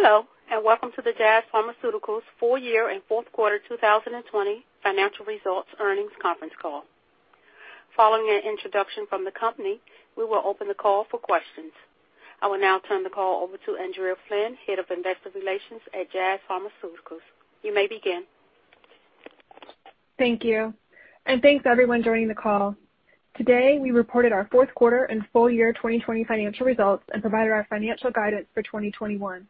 Hello, and welcome to the Jazz Pharmaceuticals Full Year and Fourth Quarter 2020 Financial Results Earnings Conference Call. Following an introduction from the company, we will open the call for questions. I will now turn the call over to Andrea Flynn, Head of Investor Relations at Jazz Pharmaceuticals. You may begin. Thank you, and thanks to everyone joining the call. Today, we reported our Fourth Quarter and Full-Year 2020 Financial Results and provided our financial guidance for 2021.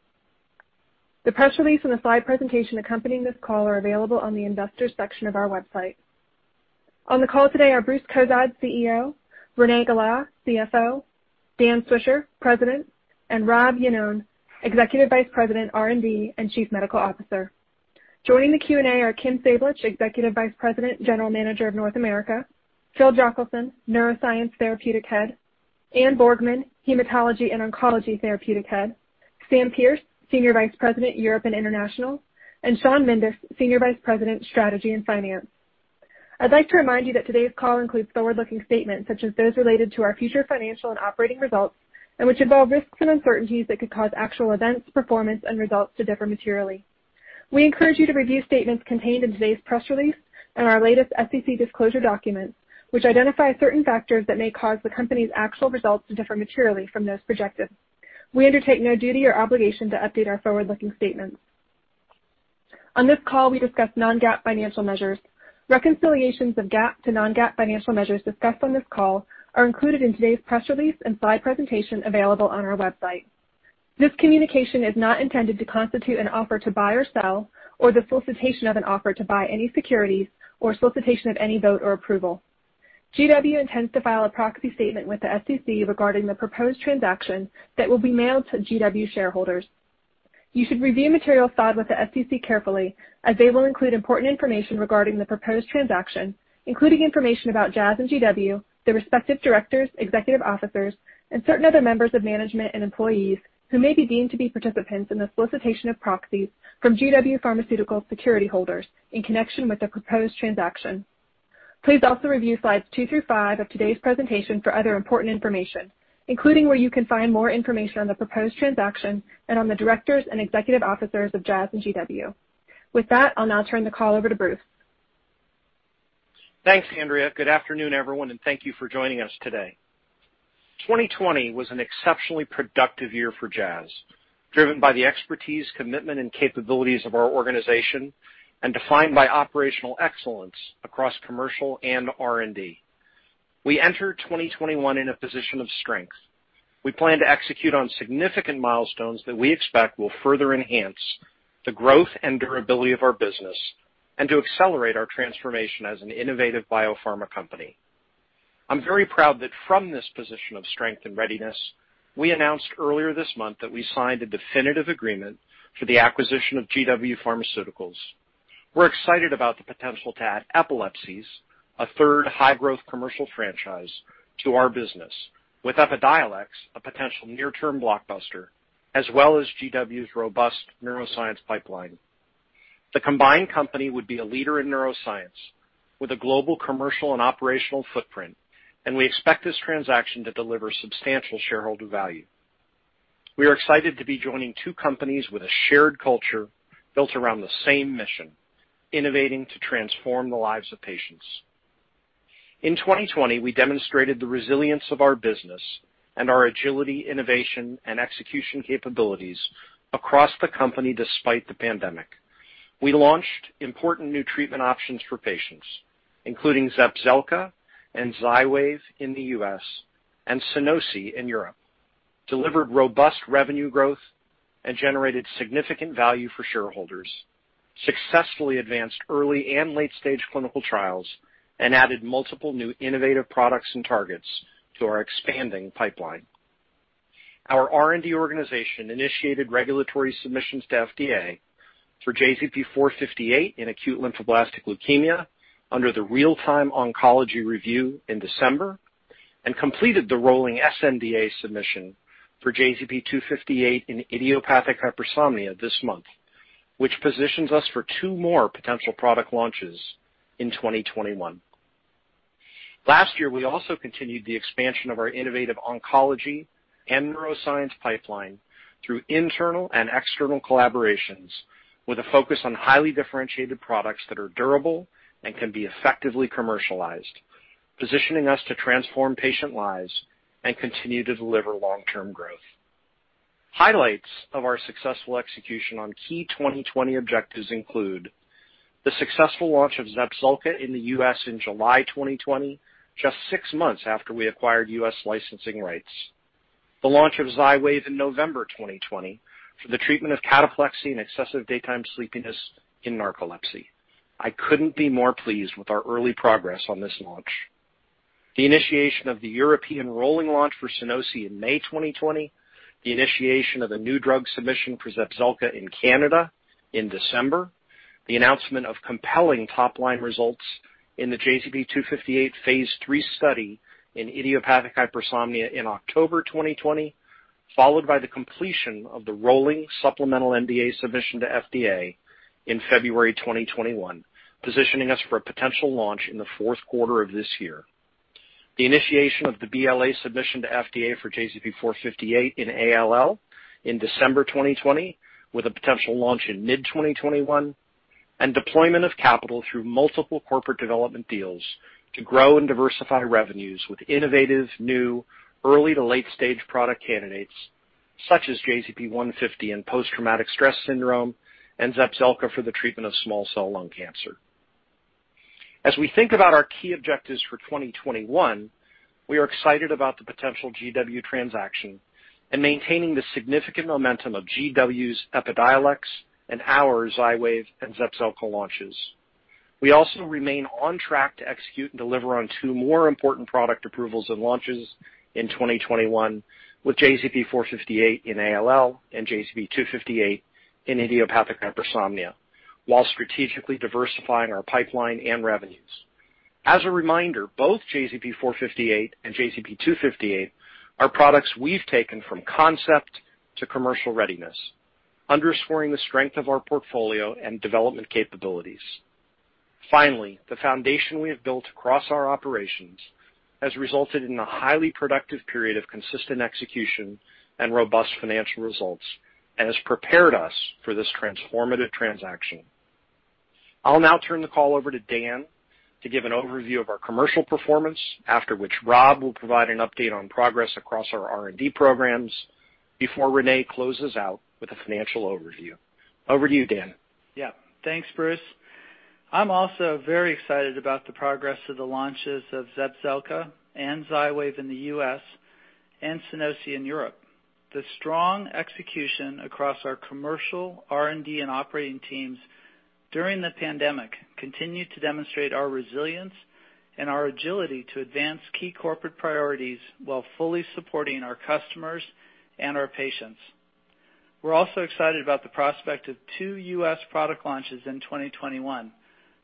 The press release and the slide presentation accompanying this call are available on the Investor section of our website. On the call today are Bruce Cozadd, CEO, Renée Gala, CFO, Dan Swisher, President, and Rob Iannone, Executive Vice President, R&D and Chief Medical Officer. Joining the Q&A are Kim Sablich, Executive Vice President, General Manager of North America, Phil Jochelson, Neuroscience Therapeutic Head, Anne Borgman, Hematology and Oncology Therapeutic Head, Sam Pearce, Senior Vice President, Europe and International, and Sean Mendes, Senior Vice President, Strategy and Finance. I'd like to remind you that today's call includes forward-looking statements such as those related to our future financial and operating results, and which involve risks and uncertainties that could cause actual events, performance, and results to differ materially. We encourage you to review statements contained in today's press release and our latest SEC disclosure documents, which identify certain factors that may cause the company's actual results to differ materially from those projected. We undertake no duty or obligation to update our forward-looking statements. On this call, we discuss non-GAAP financial measures. Reconciliations of GAAP to non-GAAP financial measures discussed on this call are included in today's press release and slide presentation available on our website. This communication is not intended to constitute an offer to buy or sell, or the solicitation of an offer to buy any securities, or solicitation of any vote or approval. GW intends to file a proxy statement with the SEC regarding the proposed transaction that will be mailed to GW shareholders. You should review material filed with the SEC carefully, as they will include important information regarding the proposed transaction, including information about Jazz and GW, the respective directors, executive officers, and certain other members of management and employees who may be deemed to be participants in the solicitation of proxies from GW Pharmaceuticals' Security Holders in connection with the proposed transaction. Please also review slides two through five of today's presentation for other important information, including where you can find more information on the proposed transaction and on the directors and executive officers of Jazz and GW. With that, I'll now turn the call over to Bruce. Thanks, Andrea. Good afternoon, everyone, and thank you for joining us today. 2020 was an exceptionally productive year for Jazz, driven by the expertise, commitment, and capabilities of our organization, and defined by operational excellence across commercial and R&D. We enter 2021 in a position of strength. We plan to execute on significant milestones that we expect will further enhance the growth and durability of our business, and to accelerate our transformation as an innovative biopharma company. I'm very proud that from this position of strength and readiness, we announced earlier this month that we signed a definitive agreement for the acquisition of GW Pharmaceuticals. We're excited about the potential to add epilepsy, a third high-growth commercial franchise, to our business, with Epidiolex, a potential near-term blockbuster, as well as GW's robust neuroscience pipeline. The combined company would be a leader in neuroscience with a global commercial and operational footprint, and we expect this transaction to deliver substantial shareholder value. We are excited to be joining two companies with a shared culture built around the same mission: innovating to transform the lives of patients. In 2020, we demonstrated the resilience of our business and our agility, innovation, and execution capabilities across the company despite the pandemic. We launched important new treatment options for patients, including ZEPZELCA and XYWAV in the U.S. and SUNOSI in Europe, delivered robust revenue growth, and generated significant value for shareholders, successfully advanced early and late-stage clinical trials, and added multiple new innovative products and targets to our expanding pipeline. Our R&D organization initiated regulatory submissions to FDA for JZP-458 in acute lymphoblastic leukemia under the Real-Time Oncology Review in December, and completed the rolling sNDA submission for JZP-258 in idiopathic hypersomnia this month, which positions us for two more potential product launches in 2021. Last year, we also continued the expansion of our innovative oncology and neuroscience pipeline through internal and external collaborations, with a focus on highly differentiated products that are durable and can be effectively commercialized, positioning us to transform patient lives and continue to deliver long-term growth. Highlights of our successful execution on key 2020 objectives include the successful launch of ZEPZELCA in the U.S. in July 2020, just six months after we acquired U.S. licensing rights. The launch of XYWAV in November 2020 for the treatment of cataplexy and excessive daytime sleepiness in narcolepsy. I couldn't be more pleased with our early progress on this launch: the initiation of the European rolling launch for SUNOSI in May 2020, the initiation of a new drug submission for ZEPZELCA in Canada in December, the announcement of compelling top-line results in the JZP-258 phase III study in idiopathic hypersomnia in October 2020, followed by the completion of the rolling supplemental NDA submission to FDA in February 2021, positioning us for a potential launch in the fourth quarter of this year. The initiation of the BLA submission to FDA for JZP-458 in ALL in December 2020, with a potential launch in mid-2021, and deployment of capital through multiple corporate development deals to grow and diversify revenues with innovative new early-to-late-stage product candidates such as JZP150 in post-traumatic stress syndrome and ZEPZELCA for the treatment of small cell lung cancer. As we think about our key objectives for 2021, we are excited about the potential GW transaction and maintaining the significant momentum of GW's Epidiolex and our XYWAV and ZEPZELCA launches. We also remain on track to execute and deliver on two more important product approvals and launches in 2021 with JZP-458 in ALL and JZP-258 in idiopathic hypersomnia, while strategically diversifying our pipeline and revenues. As a reminder, both JZP-458 and JZP-258 are products we've taken from concept to commercial readiness, underscoring the strength of our portfolio and development capabilities. Finally, the foundation we have built across our operations has resulted in a highly productive period of consistent execution and robust financial results, and has prepared us for this transformative transaction. I'll now turn the call over to Dan to give an overview of our commercial performance, after which Rob will provide an update on progress across our R&D programs before Renée closes out with a financial overview. Over to you, Dan. Yeah, thanks, Bruce. I'm also very excited about the progress of the launches of ZEPZELCA and XYWAV in the U.S. and SUNOSI in Europe. The strong execution across our commercial, R&D, and operating teams during the pandemic continued to demonstrate our resilience and our agility to advance key corporate priorities while fully supporting our customers and our patients. We're also excited about the prospect of two U.S. product launches in 2021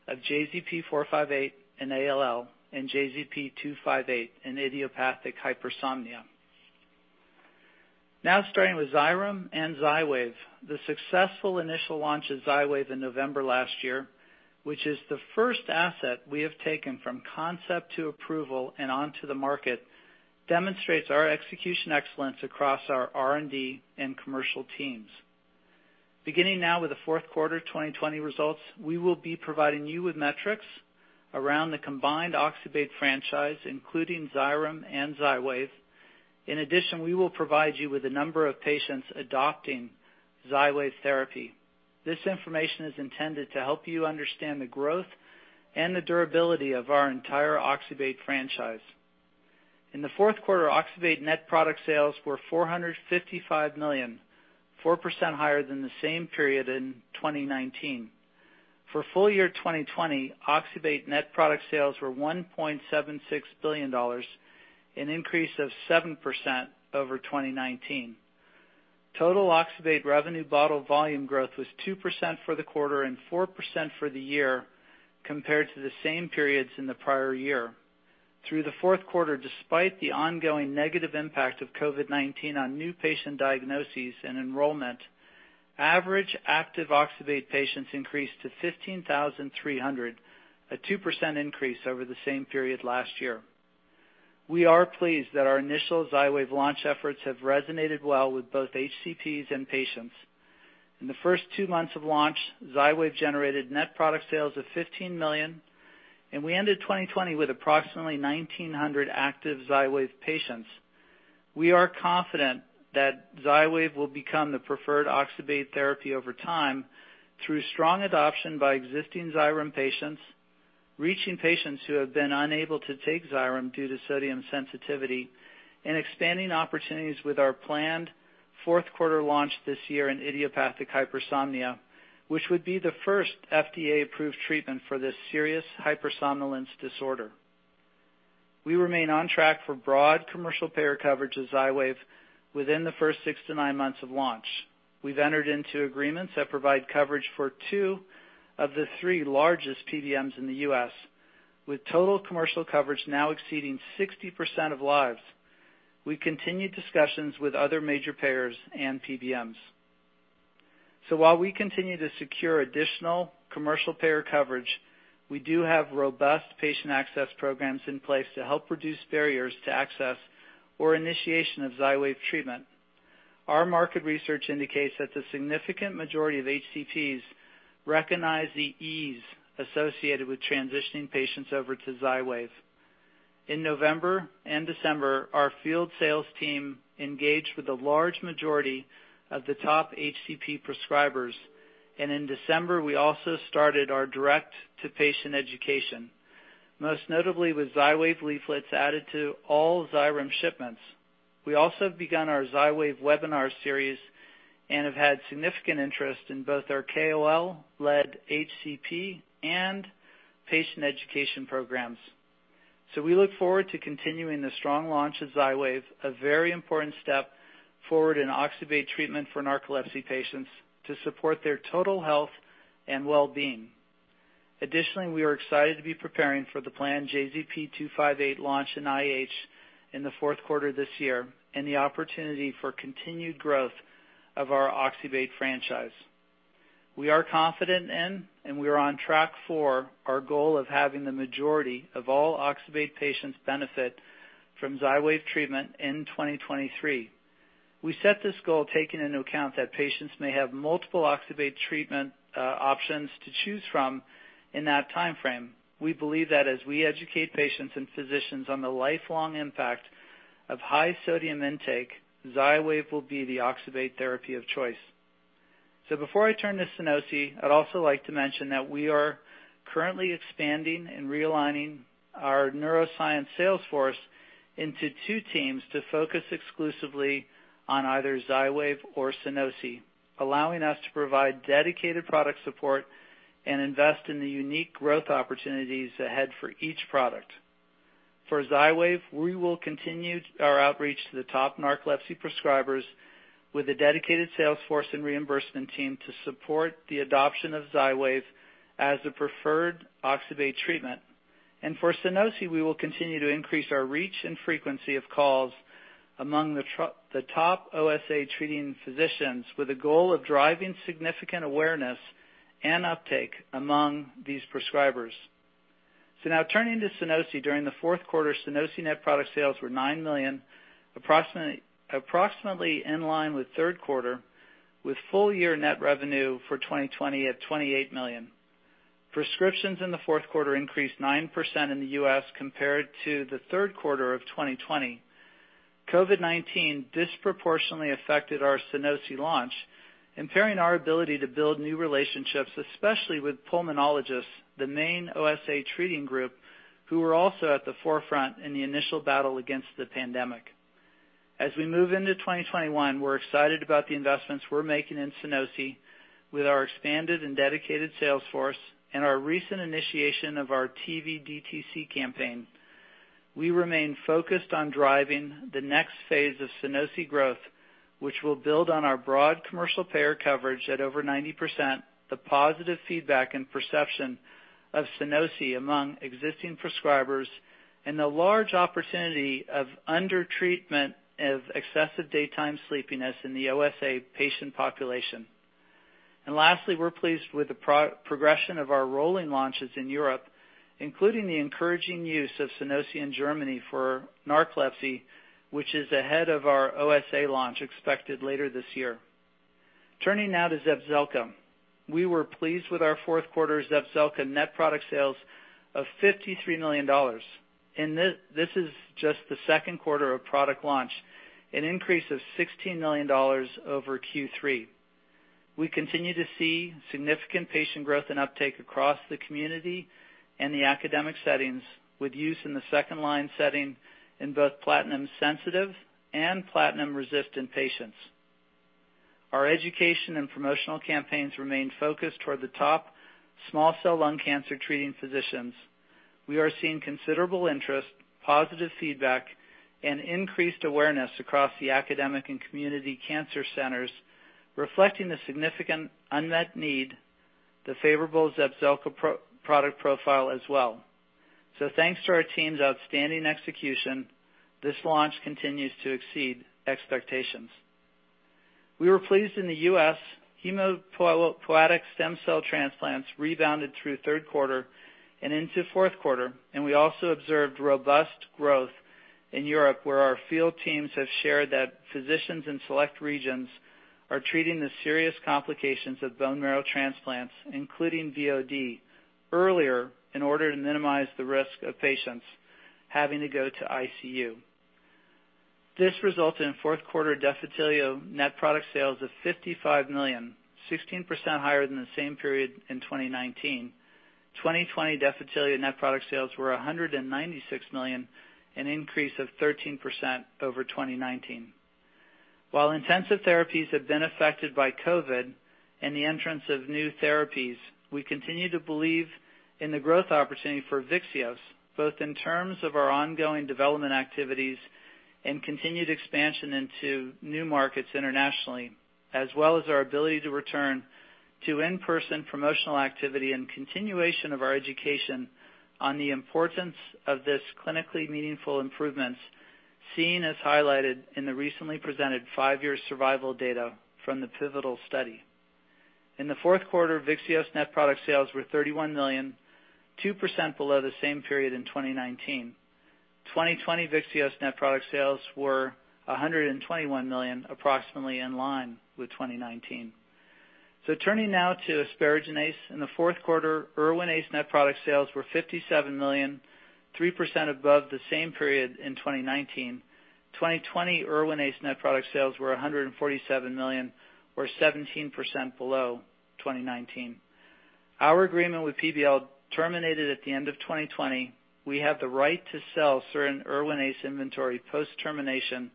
of JZP-458 in ALL and JZP-258 in idiopathic hypersomnia. Now, starting with XYREM and XYWAV, the successful initial launch of XYWAV in November last year, which is the first asset we have taken from concept to approval and onto the market, demonstrates our execution excellence across our R&D and commercial teams. Beginning now with the fourth quarter 2020 results, we will be providing you with metrics around the combined oxybate franchise, including XYREM and XYWAV. In addition, we will provide you with a number of patients adopting XYWAV therapy. This information is intended to help you understand the growth and the durability of our entire oxybate franchise. In the fourth quarter, oxybate net product sales were $455 million, 4% higher than the same period in 2019. For full year 2020, oxybate net product sales were $1.76 billion, an increase of 7% over 2019. Total oxybate revenue bottle volume growth was 2% for the quarter and 4% for the year, compared to the same periods in the prior year. Through the fourth quarter, despite the ongoing negative impact of COVID-19 on new patient diagnoses and enrollment, average active oxybate patients increased to 15,300, a 2% increase over the same period last year. We are pleased that our initial XYWAV launch efforts have resonated well with both HCPs and patients. In the first two months of launch, XYWAV generated net product sales of $15 million, and we ended 2020 with approximately 1,900 active XYWAV patients. We are confident that XYWAV will become the preferred oxybate therapy over time through strong adoption by existing XYWAV patients, reaching patients who have been unable to take XYWAV due to sodium sensitivity, and expanding opportunities with our planned fourth quarter launch this year in idiopathic hypersomnia, which would be the first FDA-approved treatment for this serious hypersomnolence disorder. We remain on track for broad commercial payer coverage of XYWAV within the first six to nine months of launch. We've entered into agreements that provide coverage for two of the three largest PBMs in the U.S., with total commercial coverage now exceeding 60% of lives. We continue discussions with other major payers and PBMs. While we continue to secure additional commercial payer coverage, we do have robust patient access programs in place to help reduce barriers to access or initiation of XYWAV treatment. Our market research indicates that the significant majority of HCPs recognize the ease associated with transitioning patients over to XYWAV. In November and December, our field sales team engaged with the large majority of the top HCP prescribers, and in December, we also started our direct-to-patient education, most notably with XYWAV leaflets added to all XYREM shipments. We also have begun our XYWAV webinar series and have had significant interest in both our KOL-led HCP and patient education programs. We look forward to continuing the strong launch of XYWAV, a very important step forward in oxybate treatment for narcolepsy patients to support their total health and well-being. Additionally, we are excited to be preparing for the planned JZP-258 launch in IH in the fourth quarter this year and the opportunity for continued growth of our oxybate franchise. We are confident in, and we are on track for, our goal of having the majority of all oxybate patients benefit from XYWAV treatment in 2023. We set this goal taking into account that patients may have multiple oxybate treatment options to choose from in that time frame. We believe that as we educate patients and physicians on the lifelong impact of high sodium intake, XYWAV will be the oxybate therapy of choice. Before I turn to SUNOSI, I'd also like to mention that we are currently expanding and realigning our neuroscience sales force into two teams to focus exclusively on either XYWAV or SUNOSI, allowing us to provide dedicated product support and invest in the unique growth opportunities ahead for each product. For XYWAV, we will continue our outreach to the top narcolepsy prescribers with a dedicated sales force and reimbursement team to support the adoption of XYWAV as the preferred oxybate treatment. For SUNOSI, we will continue to increase our reach and frequency of calls among the top OSA-treating physicians, with a goal of driving significant awareness and uptake among these prescribers. Now turning to SUNOSI, during the fourth quarter, SUNOSI net product sales were $9 million, approximately in line with third quarter, with full year net revenue for 2020 at $28 million. Prescriptions in the fourth quarter increased 9% in the U.S. compared to the Third Quarter of 2020. COVID-19 disproportionately affected our SUNOSI launch, impairing our ability to build new relationships, especially with pulmonologists, the main OSA-treating group, who were also at the forefront in the initial battle against the pandemic. As we move into 2021, we're excited about the investments we're making in SUNOSI with our expanded and dedicated sales force and our recent initiation of our TV/DTC campaign. We remain focused on driving the next phase of SUNOSI growth, which will build on our broad commercial payer coverage at over 90%, the positive feedback and perception of SUNOSI among existing prescribers, and the large opportunity of under-treatment of excessive daytime sleepiness in the OSA patient population. And lastly, we're pleased with the progression of our rolling launches in Europe, including the encouraging use of SUNOSI in Germany for narcolepsy, which is ahead of our OSA launch expected later this year. Turning now to ZEPZELCA, we were pleased with our fourth quarter ZEPZELCA net product sales of $53 million. This is just the second quarter of product launch, an increase of $16 million over Q3. We continue to see significant patient growth and uptake across the community and the academic settings, with use in the second-line setting in both platinum-sensitive and platinum-resistant patients. Our education and promotional campaigns remain focused toward the top small cell lung cancer treating physicians. We are seeing considerable interest, positive feedback, and increased awareness across the academic and community cancer centers, reflecting the significant unmet need, the favorable ZEPZELCA product profile as well. Thanks to our team's outstanding execution, this launch continues to exceed expectations. We were pleased in the U.S., hematopoietic stem cell transplants rebounded through third quarter and into fourth quarter, and we also observed robust growth in Europe, where our field teams have shared that physicians in select regions are treating the serious complications of bone marrow transplants, including VOD, earlier in order to minimize the risk of patients having to go to ICU. This resulted in fourth quarter Defitelio net product sales of $55 million, 16% higher than the same period in 2019. 2020 Defitelio net product sales were $196 million, an increase of 13% over 2019. While intensive therapies have been affected by COVID and the entrance of new therapies, we continue to believe in the growth opportunity for VYXEOS, both in terms of our ongoing development activities and continued expansion into new markets internationally, as well as our ability to return to in-person promotional activity and continuation of our education on the importance of these clinically meaningful improvements, seen as highlighted in the recently presented five-year survival data from the pivotal study. In the fourth quarter, VYXEOS net product sales were $31 million, 2% below the same period in 2019. 2020 VYXEOS net product sales were $121 million, approximately in line with 2019. So, turning now to asparaginase, in the fourth quarter, ERWINAZE net product sales were $57 million, 3% above the same period in 2019. 2020 ERWINAZE net product sales were $147 million, or 17% below 2019. Our agreement with PBL terminated at the end of 2020. We have the right to sell certain ERWINAZE inventory post-termination,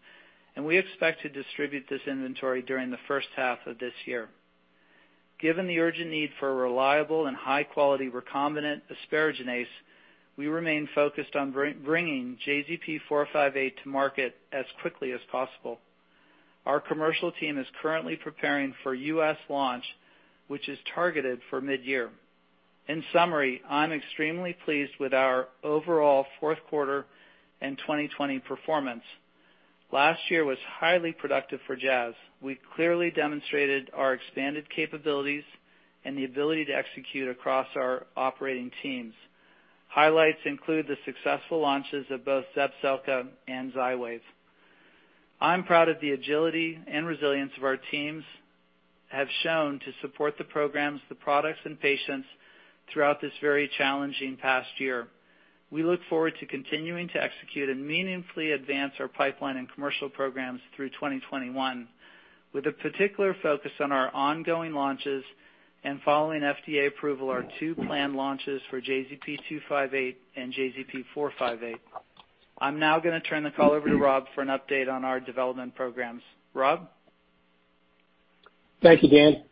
and we expect to distribute this inventory during the first half of this year. Given the urgent need for a reliable and high-quality recombinant asparaginase, we remain focused on bringing JZP-458 to market as quickly as possible. Our commercial team is currently preparing for U.S. launch, which is targeted for mid-year. In summary, I'm extremely pleased with our overall fourth quarter and 2020 performance. Last year was highly productive for Jazz. We clearly demonstrated our expanded capabilities and the ability to execute across our operating teams. Highlights include the successful launches of both ZEPZELCA and XYWAV. I'm proud of the agility and resilience of our teams, have shown to support the programs, the products, and patients throughout this very challenging past year. We look forward to continuing to execute and meaningfully advance our pipeline and commercial programs through 2021, with a particular focus on our ongoing launches and following FDA approval, our two planned launches for JZP-258 and JZP-458. I'm now going to turn the call over to Rob for an update on our development programs. Rob? Thank you, Dan.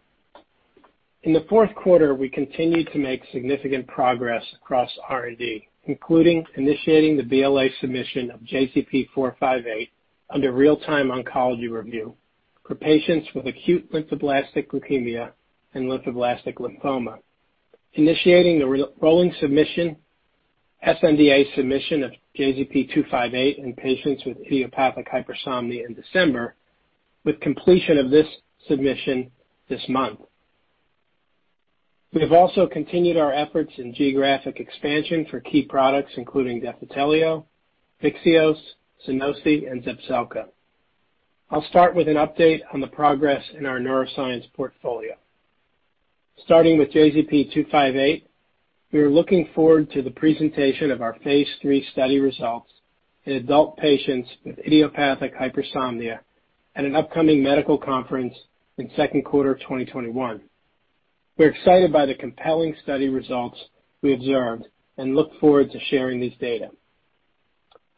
In the fourth quarter, we continue to make significant progress across R&D, including initiating the BLA submission of JZP-458 under Real-Time Oncology Review for patients with acute lymphoblastic leukemia and lymphoblastic lymphoma. Initiating the rolling submission, sNDA submission of JZP-258 in patients with idiopathic hypersomnia in December, with completion of this submission this month. We have also continued our efforts in geographic expansion for key products, including Defitelio, VYXEOS, SUNOSI, and ZEPZELCA. I'll start with an update on the progress in our neuroscience portfolio. Starting with JZP-258, we are looking forward to the presentation of our phase III study results in adult patients with idiopathic hypersomnia at an upcoming medical conference in second quarter 2021. We're excited by the compelling study results we observed and look forward to sharing these data.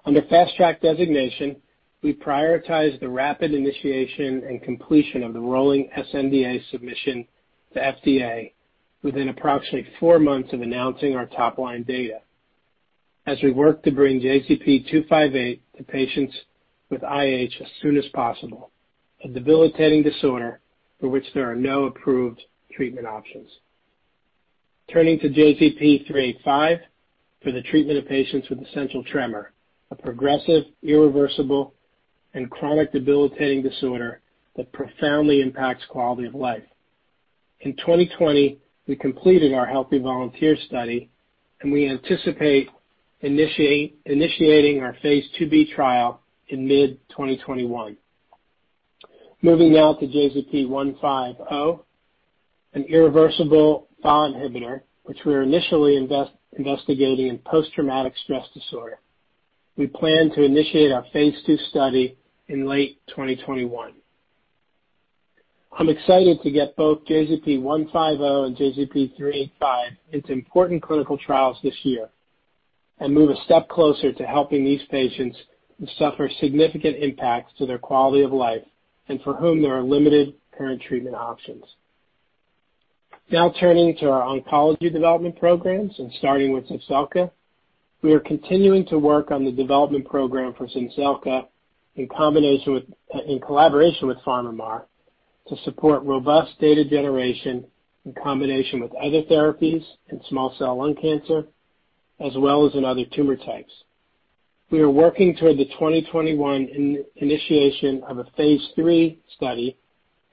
Under Fast Track designation, we prioritize the rapid initiation and completion of the rolling sNDA submission to FDA within approximately four months of announcing our top-line data, as we work to bring JZP-258 to patients with IH as soon as possible, a debilitating disorder for which there are no approved treatment options. Turning to JZP385 for the treatment of patients with essential tremor, a progressive, irreversible, and chronic debilitating disorder that profoundly impacts quality of life. In 2020, we completed our healthy volunteer study, and we anticipate initiating our phase II-B trial in mid-2021. Moving now to JZP150, an irreversible FAAH inhibitor, which we're initially investigating in post-traumatic stress disorder. We plan to initiate our phase II study in late 2021. I'm excited to get both JZP150 and JZP385 into important clinical trials this year and move a step closer to helping these patients who suffer significant impacts to their quality of life and for whom there are limited current treatment options. Now turning to our oncology development programs and starting with ZEPZELCA, we are continuing to work on the development program for ZEPZELCA in collaboration with PharmaMar to support robust data generation in combination with other therapies in small cell lung cancer, as well as in other tumor types. We are working toward the 2021 initiation of a phase III study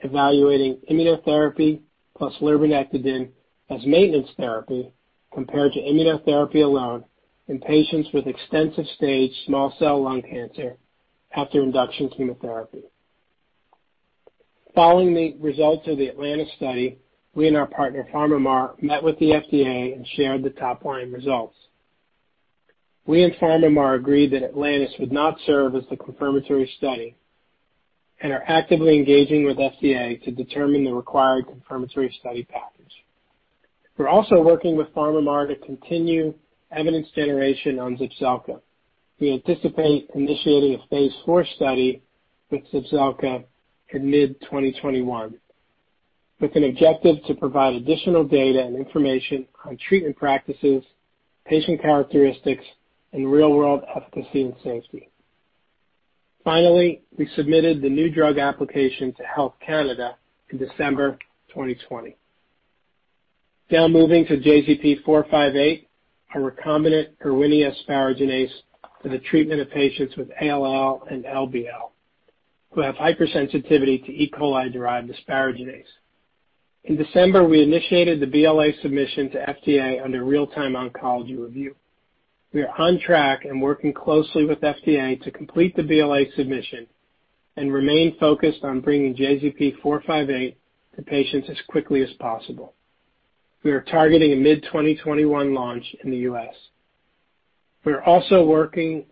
evaluating immunotherapy plus lurbinectedin as maintenance therapy compared to immunotherapy alone in patients with extensive stage small cell lung cancer after induction chemotherapy. Following the results of the Atlantis study, we and our partner PharmaMar met with the FDA and shared the top-line results. We and PharmaMar agreed that Atlantis would not serve as the confirmatory study and are actively engaging with FDA to determine the required confirmatory study package. We're also working with PharmaMar to continue evidence generation on ZEPZELCA. We anticipate initiating a phase IV study with ZEPZELCA in mid-2021, with an objective to provide additional data and information on treatment practices, patient characteristics, and real-world efficacy and safety. Finally, we submitted the new drug application to Health Canada in December 2020. Now moving to JZP-458, a recombinant erwinia asparaginase for the treatment of patients with ALL and LBL who have hypersensitivity to E. coli-derived asparaginase. In December, we initiated the BLA submission to FDA under Real-Time Oncology Review. We are on track and working closely with FDA to complete the BLA submission and remain focused on bringing JZP-458 to patients as quickly as possible. We are targeting a mid-2021 launch in the U.S. We are also working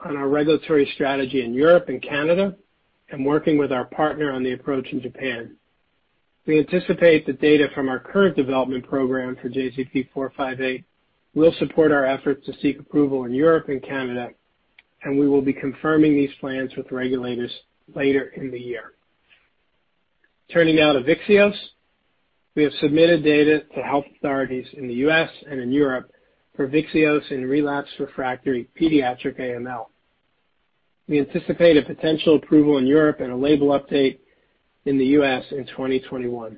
on our regulatory strategy in Europe and Canada and working with our partner on the approach in Japan. We anticipate the data from our current development program for JZP-458 will support our efforts to seek approval in Europe and Canada, and we will be confirming these plans with regulators later in the year. Turning now to VYXEOS, we have submitted data to health authorities in the U.S. And in Europe for VYXEOS in relapsed/refractory pediatric AML. We anticipate a potential approval in Europe and a label update in the U.S. in 2021.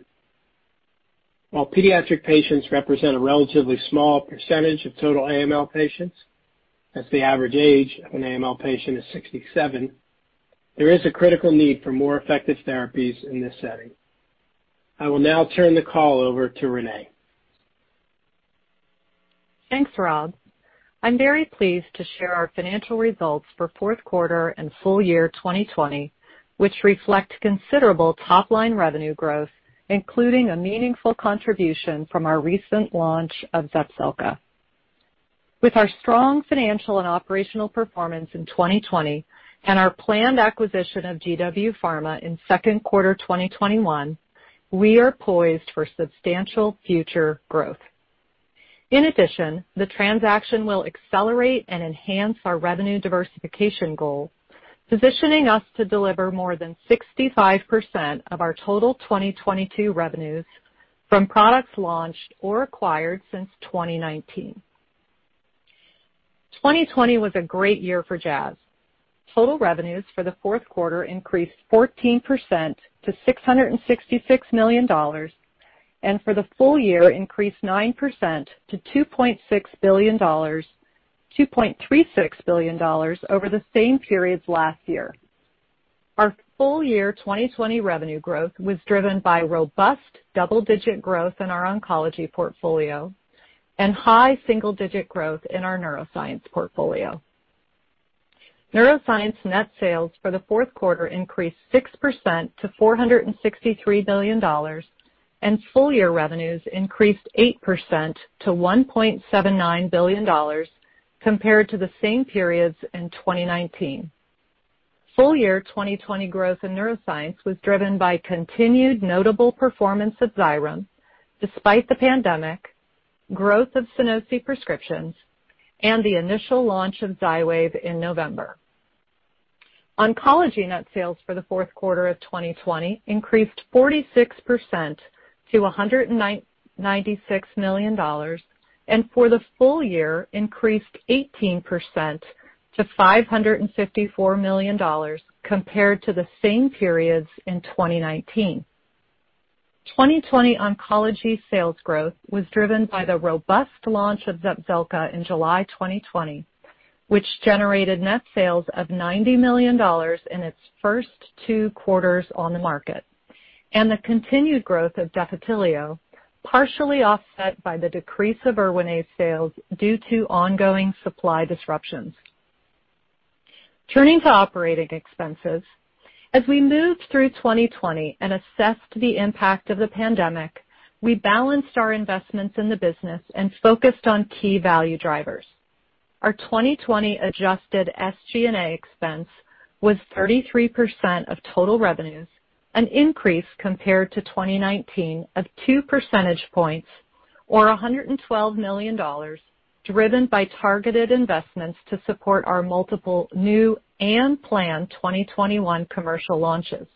While pediatric patients represent a relatively small percentage of total AML patients, as the average age of an AML patient is 67, there is a critical need for more effective therapies in this setting. I will now turn the call over to Renée. Thanks, Rob. I'm very pleased to share our financial results for fourth quarter and full year 2020, which reflect considerable top-line revenue growth, including a meaningful contribution from our recent launch of ZEPZELCA. With our strong financial and operational performance in 2020 and our planned acquisition of GW Pharmaceuticals in second quarter 2021, we are poised for substantial future growth. In addition, the transaction will accelerate and enhance our revenue diversification goal, positioning us to deliver more than 65% of our total 2022 revenues from products launched or acquired since 2019. 2020 was a great year for Jazz. Total revenues for the fourth quarter increased 14% to $666 million, and for the full year, increased 9% to $2.6 billion, $2.36 billion, over the same period last year. Our full year 2020 revenue growth was driven by robust double-digit growth in our oncology portfolio and high single-digit growth in our neuroscience portfolio. Neuroscience net sales for the fourth quarter increased 6% to $463 million, and full year revenues increased 8% to $1.79 billion, compared to the same periods in 2019. Full year 2020 growth in neuroscience was driven by continued notable performance of XYREM, despite the pandemic, growth of SUNOSI prescriptions, and the initial launch of XYWAV in November. Oncology net sales for the fourth quarter of 2020 increased 46% to $196 million, and for the full year, increased 18% to $554 million, compared to the same periods in 2019. 2020 oncology sales growth was driven by the robust launch of ZEPZELCA in July 2020, which generated net sales of $90 million in its first two quarters on the market, and the continued growth of Defitelio, partially offset by the decrease of ERWINAZE sales due to ongoing supply disruptions. Turning to operating expenses, as we moved through 2020 and assessed the impact of the pandemic, we balanced our investments in the business and focused on key value drivers. Our 2020 adjusted SG&A expense was 33% of total revenues, an increase compared to 2019 of 2 percentage points, or $112 million, driven by targeted investments to support our multiple new and planned 2021 commercial launches.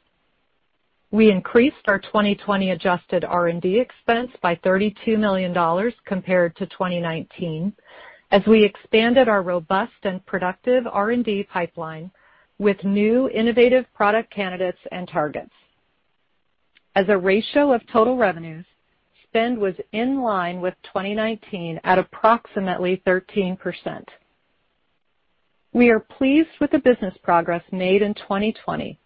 We increased our 2020 adjusted R&D expense by $32 million, compared to 2019, as we expanded our robust and productive R&D pipeline with new innovative product candidates and targets. As a ratio of total revenues, spend was in line with 2019 at approximately 13%. We are pleased with the business progress made in 2020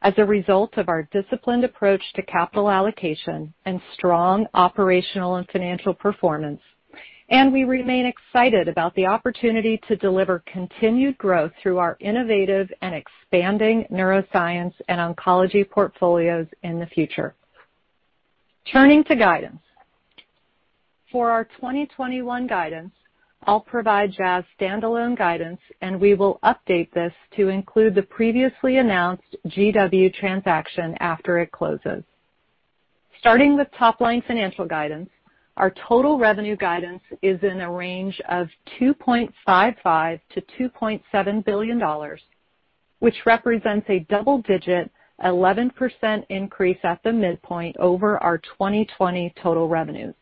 as a result of our disciplined approach to capital allocation and strong operational and financial performance, and we remain excited about the opportunity to deliver continued growth through our innovative and expanding neuroscience and oncology portfolios in the future. Turning to guidance. For our 2021 guidance, I'll provide Jazz standalone guidance, and we will update this to include the previously announced GW transaction after it closes. Starting with top-line financial guidance, our total revenue guidance is in a range of $2.55-$2.7 billion, which represents a double-digit 11% increase at the midpoint over our 2020 total revenues.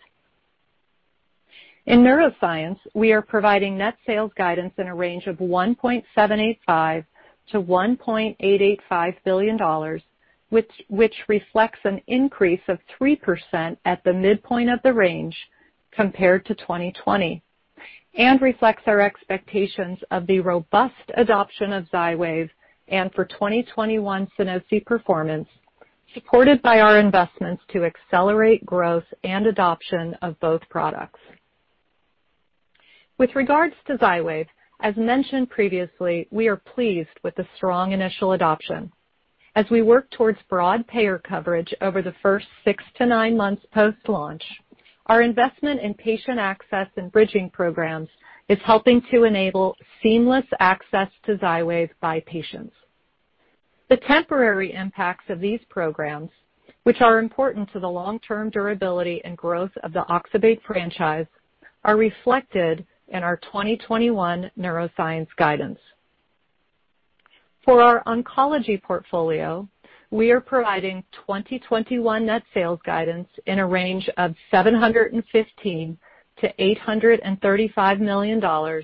In neuroscience, we are providing net sales guidance in a range of $1.785-$1.885 billion, which reflects an increase of 3% at the midpoint of the range compared to 2020 and reflects our expectations of the robust adoption of XYWAV and for 2021 SUNOSI performance, supported by our investments to accelerate growth and adoption of both products. With regards to XYWAV, as mentioned previously, we are pleased with the strong initial adoption. As we work towards broad payer coverage over the first six to nine months post-launch, our investment in patient access and bridging programs is helping to enable seamless access to XYWAV by patients. The temporary impacts of these programs, which are important to the long-term durability and growth of the oxybate franchise, are reflected in our 2021 neuroscience guidance. For our oncology portfolio, we are providing 2021 net sales guidance in a range of $715-$835 million,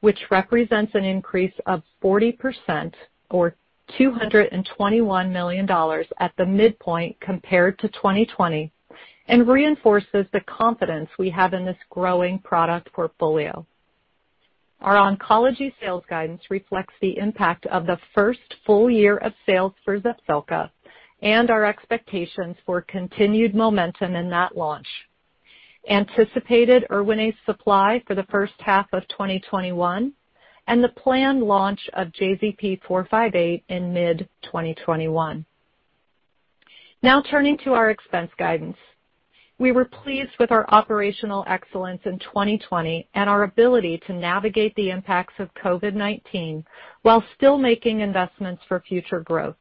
which represents an increase of 40% or $221 million at the midpoint compared to 2020 and reinforces the confidence we have in this growing product portfolio. Our oncology sales guidance reflects the impact of the first full year of sales for ZEPZELCA and our expectations for continued momentum in that launch, anticipated ERWINAZE supply for the first half of 2021, and the planned launch of JZP-458 in mid-2021. Now turning to our expense guidance, we were pleased with our operational excellence in 2020 and our ability to navigate the impacts of COVID-19 while still making investments for future growth.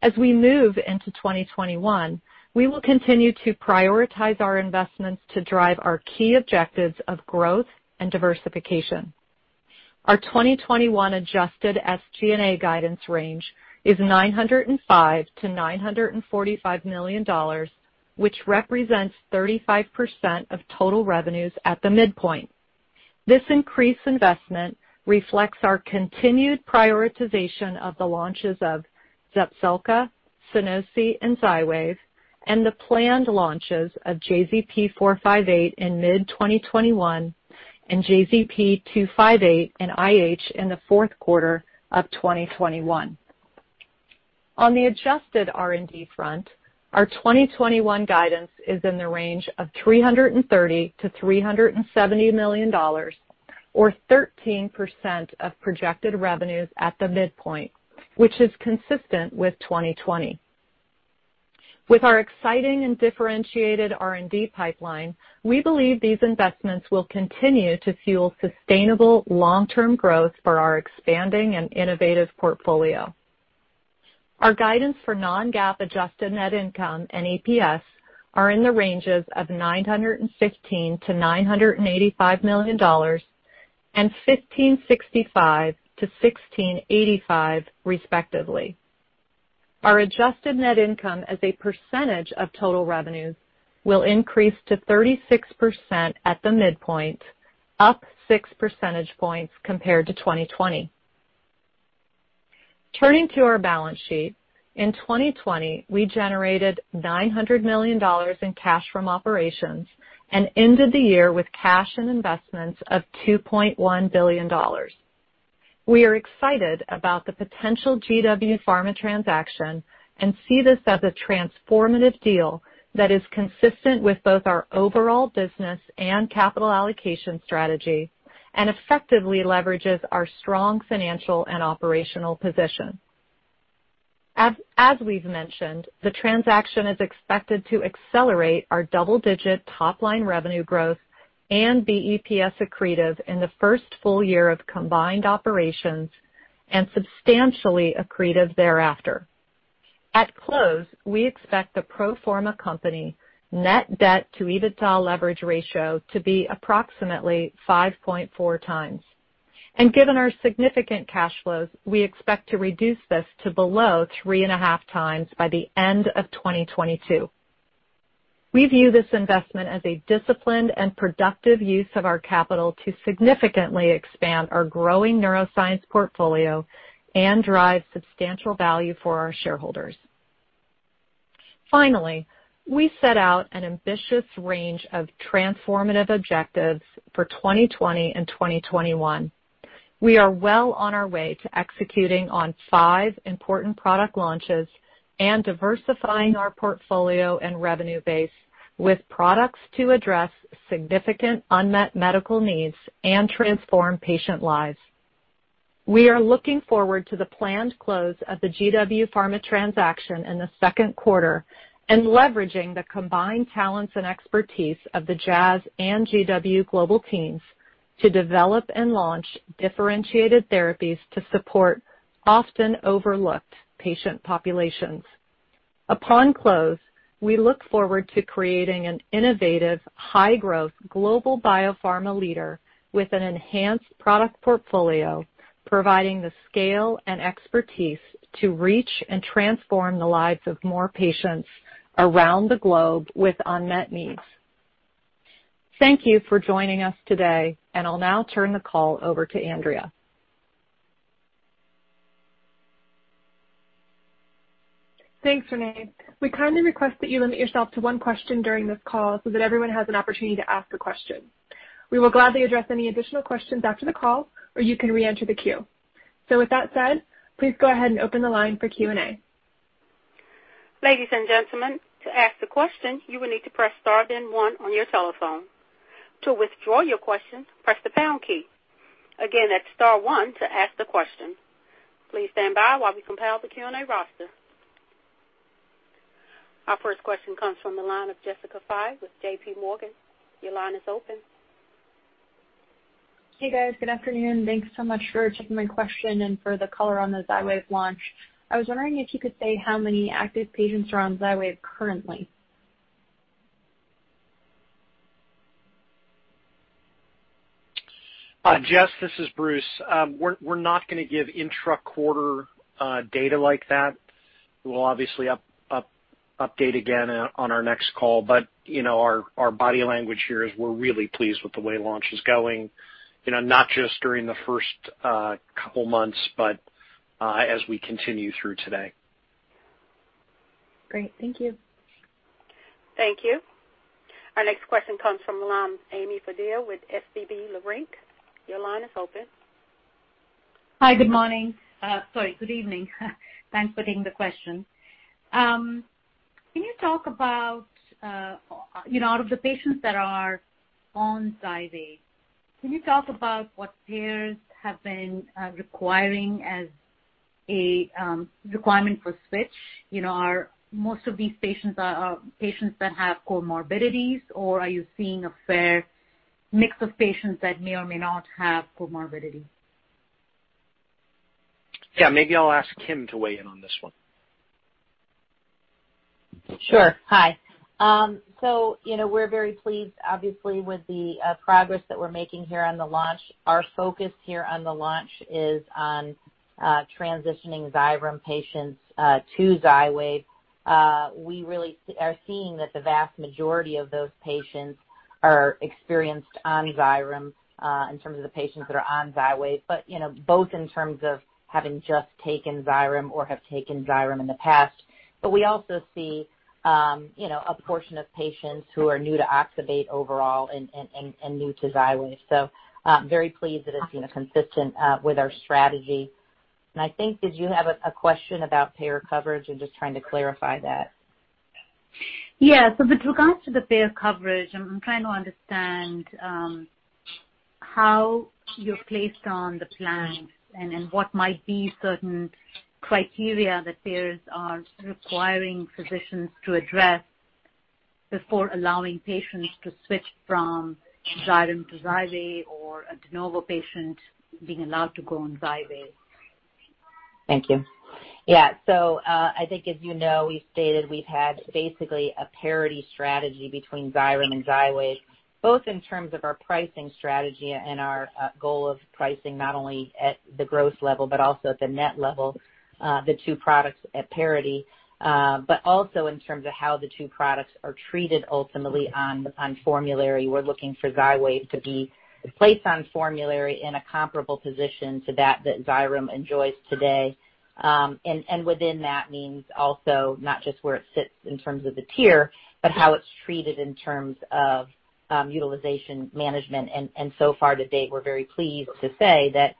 As we move into 2021, we will continue to prioritize our investments to drive our key objectives of growth and diversification. Our 2021 adjusted SG&A guidance range is $905-$945 million, which represents 35% of total revenues at the midpoint. This increased investment reflects our continued prioritization of the launches of ZEPZELCA, SUNOSI, and XYWAV, and the planned launches of JZP-458 in mid-2021 and JZP-258 and IH in the fourth quarter of 2021. On the adjusted R&D front, our 2021 guidance is in the range of $330-$370 million, or 13% of projected revenues at the midpoint, which is consistent with 2020. With our exciting and differentiated R&D pipeline, we believe these investments will continue to fuel sustainable long-term growth for our expanding and innovative portfolio. Our guidance for non-GAAP adjusted net income and EPS are in the ranges of $915-$985 million and $1,565-$1,685, respectively. Our adjusted net income as a percentage of total revenues will increase to 36% at the midpoint, up six percentage points compared to 2020. Turning to our balance sheet, in 2020, we generated $900 million in cash from operations and ended the year with cash and investments of $2.1 billion. We are excited about the potential GW Pharma transaction and see this as a transformative deal that is consistent with both our overall business and capital allocation strategy and effectively leverages our strong financial and operational position. As we've mentioned, the transaction is expected to accelerate our double-digit top-line revenue growth and be EPS accretive in the first full year of combined operations and substantially accretive thereafter. At close, we expect the pro forma company net debt to EBITDA leverage ratio to be approximately 5.4 times, and given our significant cash flows, we expect to reduce this to below 3.5 times by the end of 2022. We view this investment as a disciplined and productive use of our capital to significantly expand our growing neuroscience portfolio and drive substantial value for our shareholders. Finally, we set out an ambitious range of transformative objectives for 2020 and 2021. We are well on our way to executing on five important product launches and diversifying our portfolio and revenue base with products to address significant unmet medical needs and transform patient lives. We are looking forward to the planned close of the GW Pharma transaction in the second quarter and leveraging the combined talents and expertise of the Jazz and GW global teams to develop and launch differentiated therapies to support often overlooked patient populations. Upon close, we look forward to creating an innovative, high-growth global biopharma leader with an enhanced product portfolio, providing the scale and expertise to reach and transform the lives of more patients around the globe with unmet needs. Thank you for joining us today, and I'll now turn the call over to Andrea. Thanks, Renée. We kindly request that you limit yourself to one question during this call so that everyone has an opportunity to ask a question. We will gladly address any additional questions after the call, or you can re-enter the queue. So with that said, please go ahead and open the line for Q&A. Ladies and gentlemen, to ask a question, you will need to press star then one on your telephone. To withdraw your question, press the pound key. Again, that's star one to ask the question. Please stand by while we compile the Q&A roster. Our first question comes from the line of Jessica Fye with JPMorgan. Your line is open. Hey, guys. Good afternoon. Thanks so much for taking my question and for the color on the XYWAV launch. I was wondering if you could say how many active patients are on XYWAV currently. Jess, this is Bruce. We're not going to give intra-quarter data like that. We'll obviously update again on our next call. But our body language here is we're really pleased with the way launch is going, not just during the first couple months, but as we continue through today. Great. Thank you. Thank you. Our next question comes from Ami Fadia with SVB Leerink. Your line is open. Hi. Good morning. Sorry. Good evening. Thanks for taking the question. Can you talk about, out of the patients that are on XYWAV, can you talk about what payers have been requiring as a requirement for switch? Are most of these patients patients that have comorbidities, or are you seeing a fair mix of patients that may or may not have comorbidity? Yeah. Maybe I'll ask Kim to weigh in on this one. Sure. Hi. So we're very pleased, obviously, with the progress that we're making here on the launch. Our focus here on the launch is on transitioning XYREM patients to XYWAV. We really are seeing that the vast majority of those patients are experienced on XYREM in terms of the patients that are on XYWAV, but both in terms of having just taken XYREM or have taken XYREM in the past. But we also see a portion of patients who are new to oxybate overall and new to XYWAV, so very pleased that it's been consistent with our strategy, and I think did you have a question about payer coverage? I'm just trying to clarify that. Yeah, so with regards to the payer coverage, I'm trying to understand how you're placed on the plan and what might be certain criteria that payers are requiring physicians to address before allowing patients to switch from XYREM to XYWAV or a de novo patient being allowed to go on XYWAV. Thank you. Yeah. So I think, as you know, we've stated we've had basically a parity strategy between XYREM and XYWAV, both in terms of our pricing strategy and our goal of pricing not only at the gross level but also at the net level the two products at parity, but also in terms of how the two products are treated ultimately on formulary. We're looking for XYWAV to be placed on formulary in a comparable position to that that XYREM enjoys today. And within that means also not just where it sits in terms of the tier, but how it's treated in terms of utilization management. And so far to date, we're very pleased to say that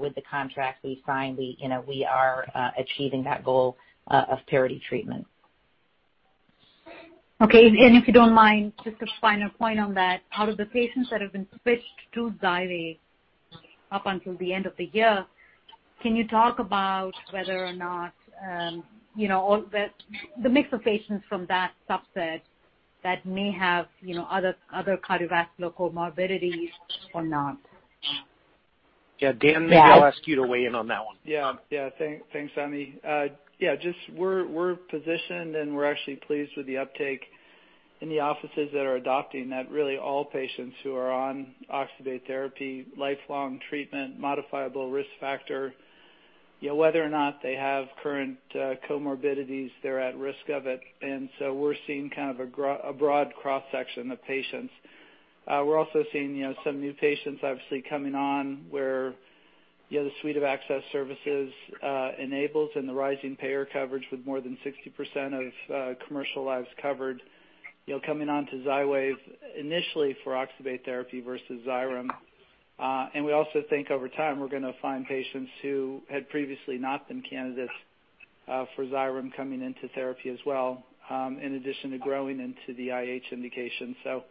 with the contracts we've signed, we are achieving that goal of parity treatment. Okay. And if you don't mind, just a final point on that. Out of the patients that have been switched to XYWAV up until the end of the year, can you talk about whether or not the mix of patients from that subset that may have other cardiovascular comorbidities or not? Yeah. Dan, maybe I'll ask you to weigh in on that one. Yeah. Yeah. Thanks, Ami. Yeah. Just we're positioned, and we're actually pleased with the uptake in the offices that are adopting that really all patients who are on oxybate therapy, lifelong treatment, modifiable risk factor, whether or not they have current comorbidities, they're at risk of it. And so we're seeing kind of a broad cross-section of patients. We're also seeing some new patients, obviously, coming on where the suite of access services enables and the rising payer coverage with more than 60% of commercial lives covered coming on to XYWAV initially for oxybate therapy versus XYREM. And we also think over time we're going to find patients who had previously not been candidates for XYREM coming into therapy as well, in addition to growing into the IH indication. So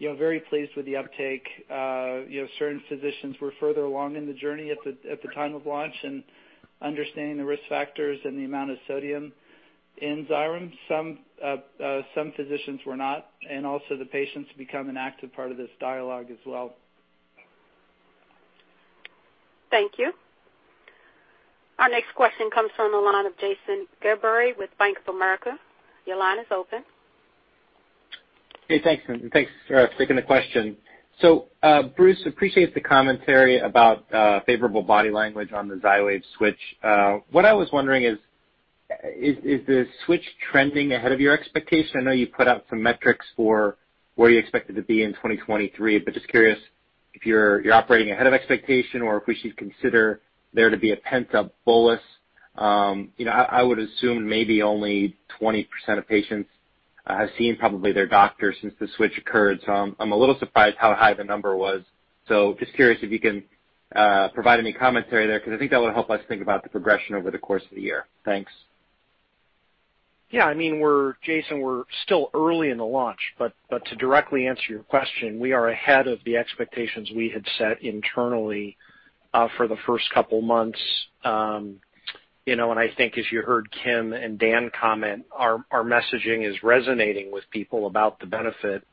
very pleased with the uptake. Certain physicians were further along in the journey at the time of launch and understanding the risk factors and the amount of sodium in XYREM. Some physicians were not. And also the patients become an active part of this dialogue as well. Thank you. Our next question comes from the line of Jason Gerberry with Bank of America. Your line is open. Hey. Thanks. Thanks for taking the question. So Bruce, appreciate the commentary about favorable body language on the XYWAV switch. What I was wondering is, is the switch trending ahead of your expectation? I know you put out some metrics for where you expect it to be in 2023, but just curious if you're operating ahead of expectation or if we should consider there to be a pent-up bolus. I would assume maybe only 20% of patients have seen probably their doctor since the switch occurred. So I'm a little surprised how high the number was. So just curious if you can provide any commentary there because I think that will help us think about the progression over the course of the year. Thanks. Yeah. I mean, Jason, we're still early in the launch. But to directly answer your question, we are ahead of the expectations we had set internally for the first couple months. And I think as you heard Kim and Dan comment, our messaging is resonating with people about the benefit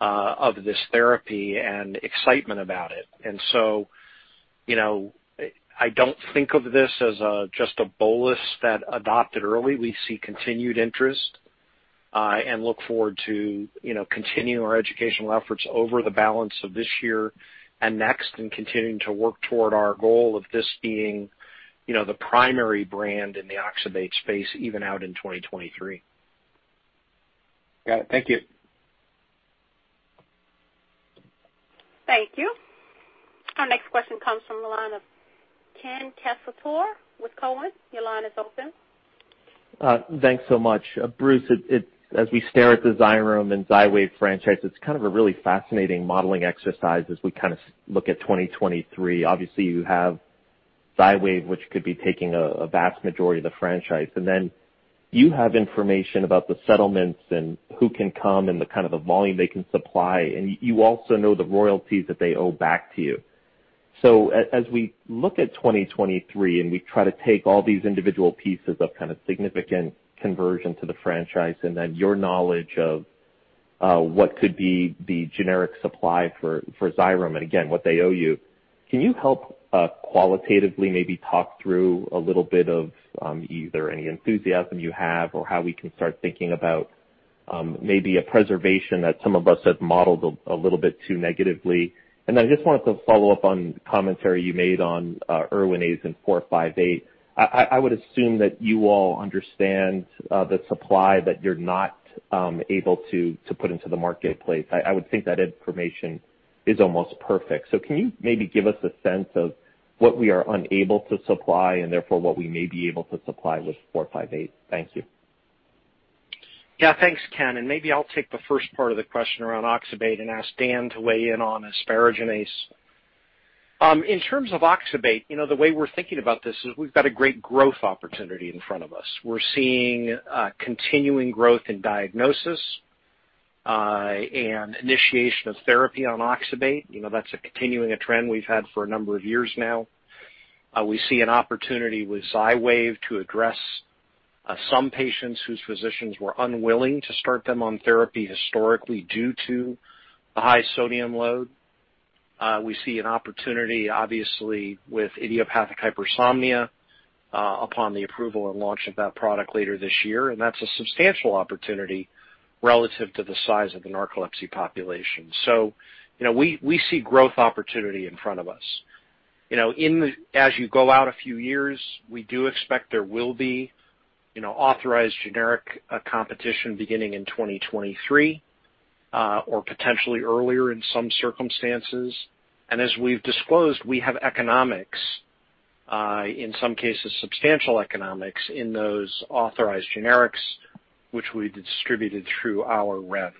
of this therapy and excitement about it. And so I don't think of this as just a bolus that adopted early. We see continued interest and look forward to continuing our educational efforts over the balance of this year and next and continuing to work toward our goal of this being the primary brand in the oxybate space even out in 2023. Got it. Thank you. Thank you. Our next question comes from the line of Ken Cacciatore with Cowen. Your line is open. Thanks so much. Bruce, as we stare at the XYREM and XYWAV franchise, it's kind of a really fascinating modeling exercise as we kind of look at 2023. Obviously, you have XYWAV, which could be taking a vast majority of the franchise. And then you have information about the settlements and who can come and the kind of the volume they can supply. You also know the royalties that they owe back to you. So as we look at 2023 and we try to take all these individual pieces of kind of significant conversion to the franchise and then your knowledge of what could be the generic supply for XYREM and again, what they owe you, can you help qualitatively maybe talk through a little bit of either any enthusiasm you have or how we can start thinking about maybe a preservation that some of us have modeled a little bit too negatively? I just wanted to follow up on commentary you made on ERWINAZE and 458. I would assume that you all understand the supply that you're not able to put into the marketplace. I would think that information is almost perfect. Can you maybe give us a sense of what we are unable to supply and therefore what we may be able to supply with 458? Thank you. Yeah. Thanks, Ken. And maybe I'll take the first part of the question around oxybate and ask Dan to weigh in on asparaginase. In terms of oxybate, the way we're thinking about this is we've got a great growth opportunity in front of us. We're seeing continuing growth in diagnosis and initiation of therapy on oxybate. That's a continuing trend we've had for a number of years now. We see an opportunity with XYWAV to address some patients whose physicians were unwilling to start them on therapy historically due to the high sodium load. We see an opportunity, obviously, with idiopathic hypersomnia upon the approval and launch of that product later this year. And that's a substantial opportunity relative to the size of the narcolepsy population. So we see growth opportunity in front of us. As you go out a few years, we do expect there will be authorized generic competition beginning in 2023 or potentially earlier in some circumstances. And as we've disclosed, we have economics, in some cases substantial economics in those authorized generics, which we've distributed through our [revs].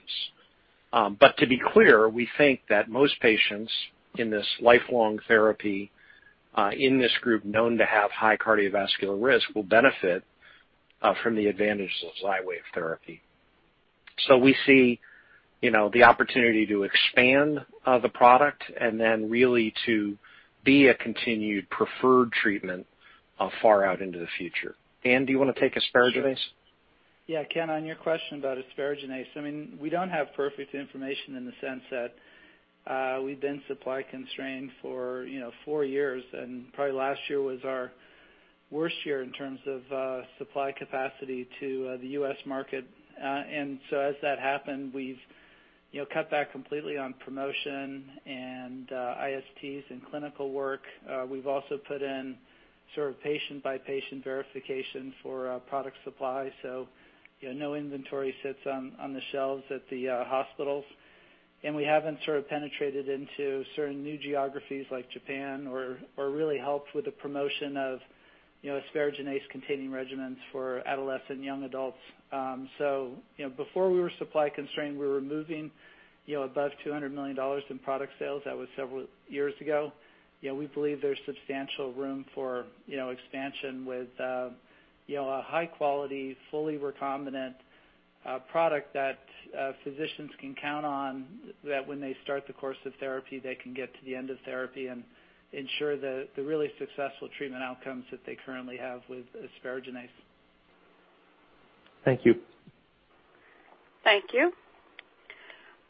But to be clear, we think that most patients in this lifelong therapy in this group known to have high cardiovascular risk will benefit from the advantages of XYWAV therapy. So we see the opportunity to expand the product and then really to be a continued preferred treatment far out into the future. Dan, do you want to take asparaginase? Yeah. Ken, on your question about asparaginase, I mean, we don't have perfect information in the sense that we've been supply constrained for four years, and probably last year was our worst year in terms of supply capacity to the U.S. market, and so as that happened, we've cut back completely on promotion and ISTs and clinical work. We've also put in sort of patient-by-patient verification for product supply, so no inventory sits on the shelves at the hospitals, and we haven't sort of penetrated into certain new geographies like Japan or really helped with the promotion of asparaginase-containing regimens for adolescent young adults, so before we were supply constrained, we were moving above $200 million in product sales. That was several years ago. We believe there's substantial room for expansion with a high-quality, fully recombinant product that physicians can count on that when they start the course of therapy, they can get to the end of therapy and ensure the really successful treatment outcomes that they currently have with asparaginase. Thank you. Thank you.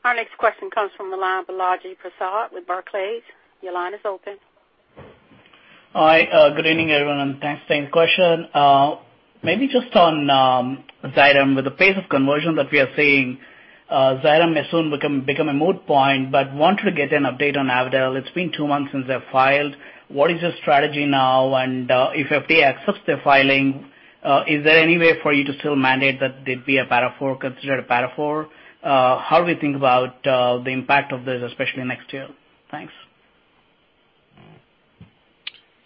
Our next question comes from the line of Balaji Prasad with Barclays. Your line is open. Hi. Good evening, everyone, and thanks for taking the question. Maybe just on XYREM. With the pace of conversion that we are seeing, XYREM may soon become a moot point, but wanted to get an update on Avadel. It's been two months since they've filed. What is your strategy now? And if FDA accepts their filing, is there any way for you to still mandate that they'd be a better for considered a better for? How do we think about the impact of this, especially next year? Thanks.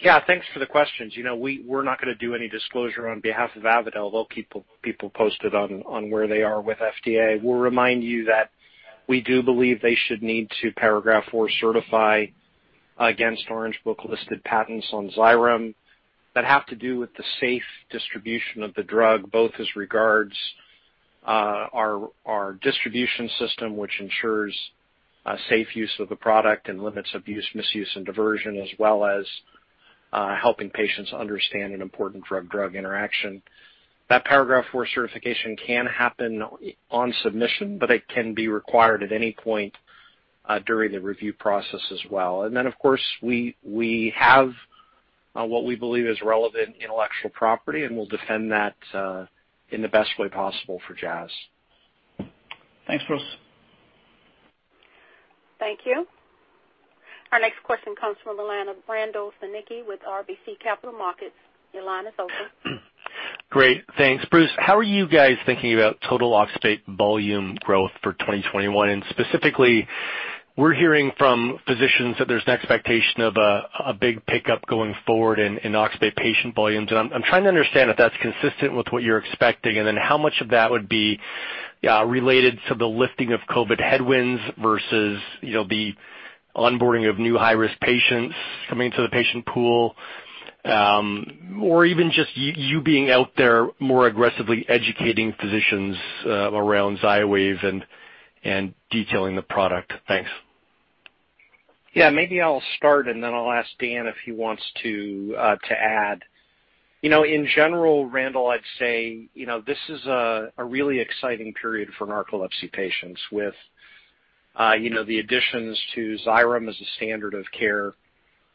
Yeah. Thanks for the questions. We're not going to do any disclosure on behalf of Avadel. They'll keep people posted on where they are with FDA. We'll remind you that we do believe they should need to Paragraph IV certify against Orange Book-listed patents on XYREM that have to do with the safe distribution of the drug, both as regards our distribution system, which ensures safe use of the product and limits abuse, misuse, and diversion, as well as helping patients understand an important drug-drug interaction. That Paragraph IV certification can happen on submission, but it can be required at any point during the review process as well. And then, of course, we have what we believe is relevant intellectual property, and we'll defend that in the best way possible for Jazz. Thanks, Bruce. Thank you. Our next question comes from the line of Randall Stanicky with RBC Capital Markets. Your line is open. Great. Thanks. Bruce, how are you guys thinking about total oxybate volume growth for 2021? And specifically, we're hearing from physicians that there's an expectation of a big pickup going forward in oxybate patient volumes. And I'm trying to understand if that's consistent with what you're expecting and then how much of that would be related to the lifting of COVID headwinds versus the onboarding of new high-risk patients coming into the patient pool, or even just you being out there more aggressively educating physicians around XYWAV and detailing the product. Thanks. Yeah. Maybe I'll start, and then I'll ask Dan if he wants to add. In general, Randall, I'd say this is a really exciting period for narcolepsy patients with the additions to XYREM as a standard of care,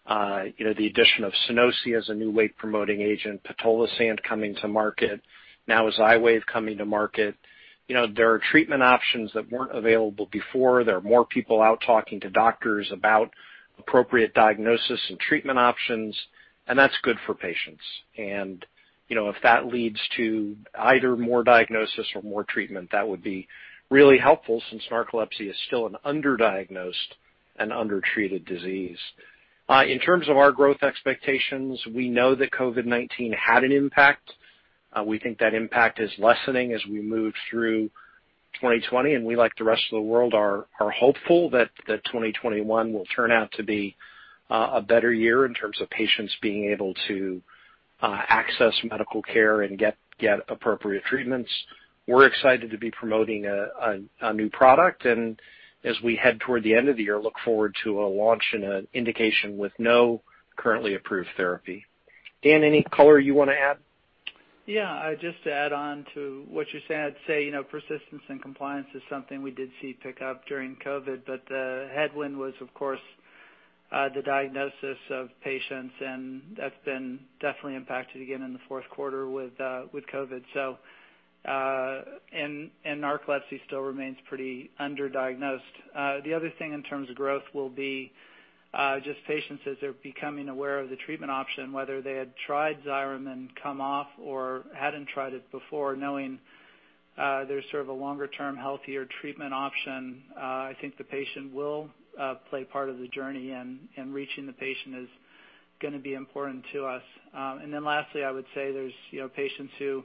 the addition of SUNOSI as a new weight-promoting agent, Pitolisant coming to market, now with XYWAV coming to market. There are treatment options that weren't available before. There are more people out talking to doctors about appropriate diagnosis and treatment options. And that's good for patients. And if that leads to either more diagnosis or more treatment, that would be really helpful since narcolepsy is still an underdiagnosed and undertreated disease. In terms of our growth expectations, we know that COVID-19 had an impact. We think that impact is lessening as we move through 2020. We like the rest of the world are hopeful that 2021 will turn out to be a better year in terms of patients being able to access medical care and get appropriate treatments. We're excited to be promoting a new product. As we head toward the end of the year, look forward to a launch and an indication with no currently approved therapy. Dan, any color you want to add? Yeah. Just to add on to what you said, I'd say persistence and compliance is something we did see pick up during COVID. The headwind was, of course, the diagnosis of patients. That's been definitely impacted again in the fourth quarter with COVID. Narcolepsy still remains pretty underdiagnosed. The other thing in terms of growth will be just patients as they're becoming aware of the treatment option, whether they had tried XYREM and come off or hadn't tried it before, knowing there's sort of a longer-term healthier treatment option. I think the patient will play part of the journey. Reaching the patient is going to be important to us. Then lastly, I would say there's patients who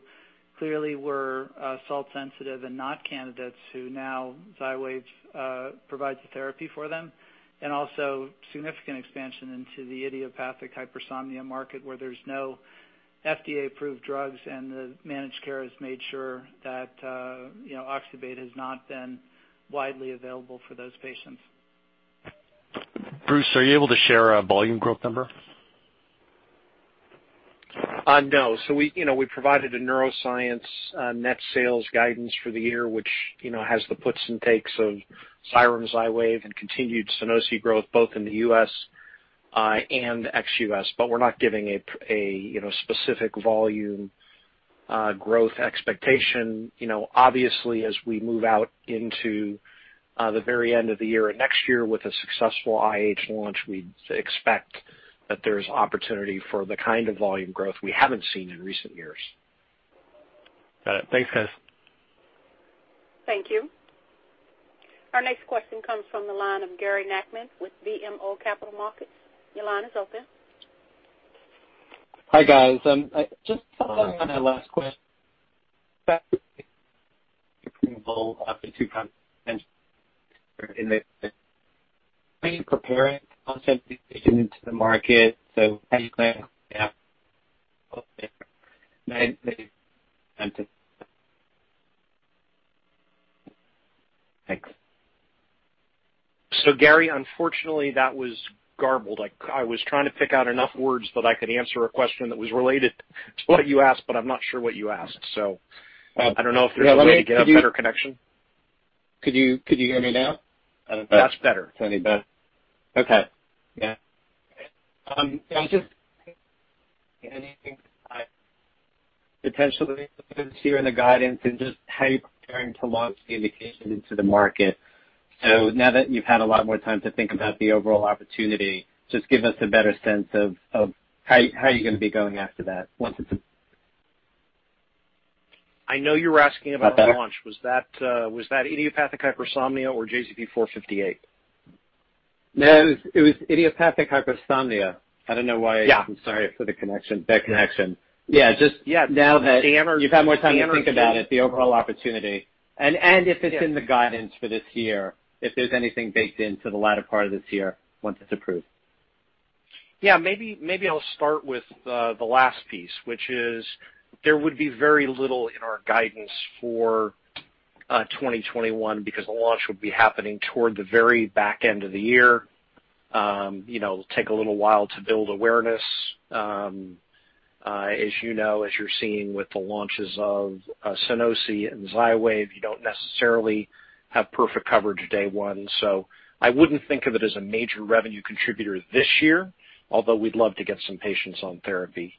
clearly were salt-sensitive and not candidates who now XYWAV provides the therapy for them and also significant expansion into the idiopathic hypersomnia market where there's no FDA-approved drugs and the managed care has made sure that oxybate has not been widely available for those patients. Bruce, are you able to share a volume growth number? No. So we provided a neuroscience net sales guidance for the year, which has the puts and takes of XYREM, XYWAV, and continued SUNOSI growth both in the U.S. and ex-U.S. But we're not giving a specific volume growth expectation. Obviously, as we move out into the very end of the year and next year with a successful IH launch, we expect that there's opportunity for the kind of volume growth we haven't seen in recent years. Got it. Thanks, guys. Thank you. Our next question comes from the line of Gary Nachman with BMO Capital Markets. Your line is open. Hi, guys. Just following on that last question, thanks. So Gary, unfortunately, that was garbled. I was trying to pick out enough words that I could answer a question that was related to what you asked, but I'm not sure what you asked. So I don't know if there's a way to get a better connection. Could you hear me now? That's better. Okay. Yeah. Just anything potentially interesting in the guidance and just how you're preparing to launch the indication into the market. So now that you've had a lot more time to think about the overall opportunity, just give us a better sense of how you're going to be going after that once it's approved. I know you were asking about the launch. Was that idiopathic hypersomnia or JZP-458? No, it was idiopathic hypersomnia. I don't know why. I'm sorry for the connection, bad connection. Yeah. Just now that you've had more time to think about it, the overall opportunity. And if it's in the guidance for this year, if there's anything baked into the latter part of this year once it's approved. Maybe I'll start with the last piece, which is there would be very little in our guidance for 2021 because the launch would be happening toward the very back end of the year. It'll take a little while to build awareness. As you know, as you're seeing with the launches of SUNOSI and XYWAV, you don't necessarily have perfect coverage day one. So I wouldn't think of it as a major revenue contributor this year, although we'd love to get some patients on therapy.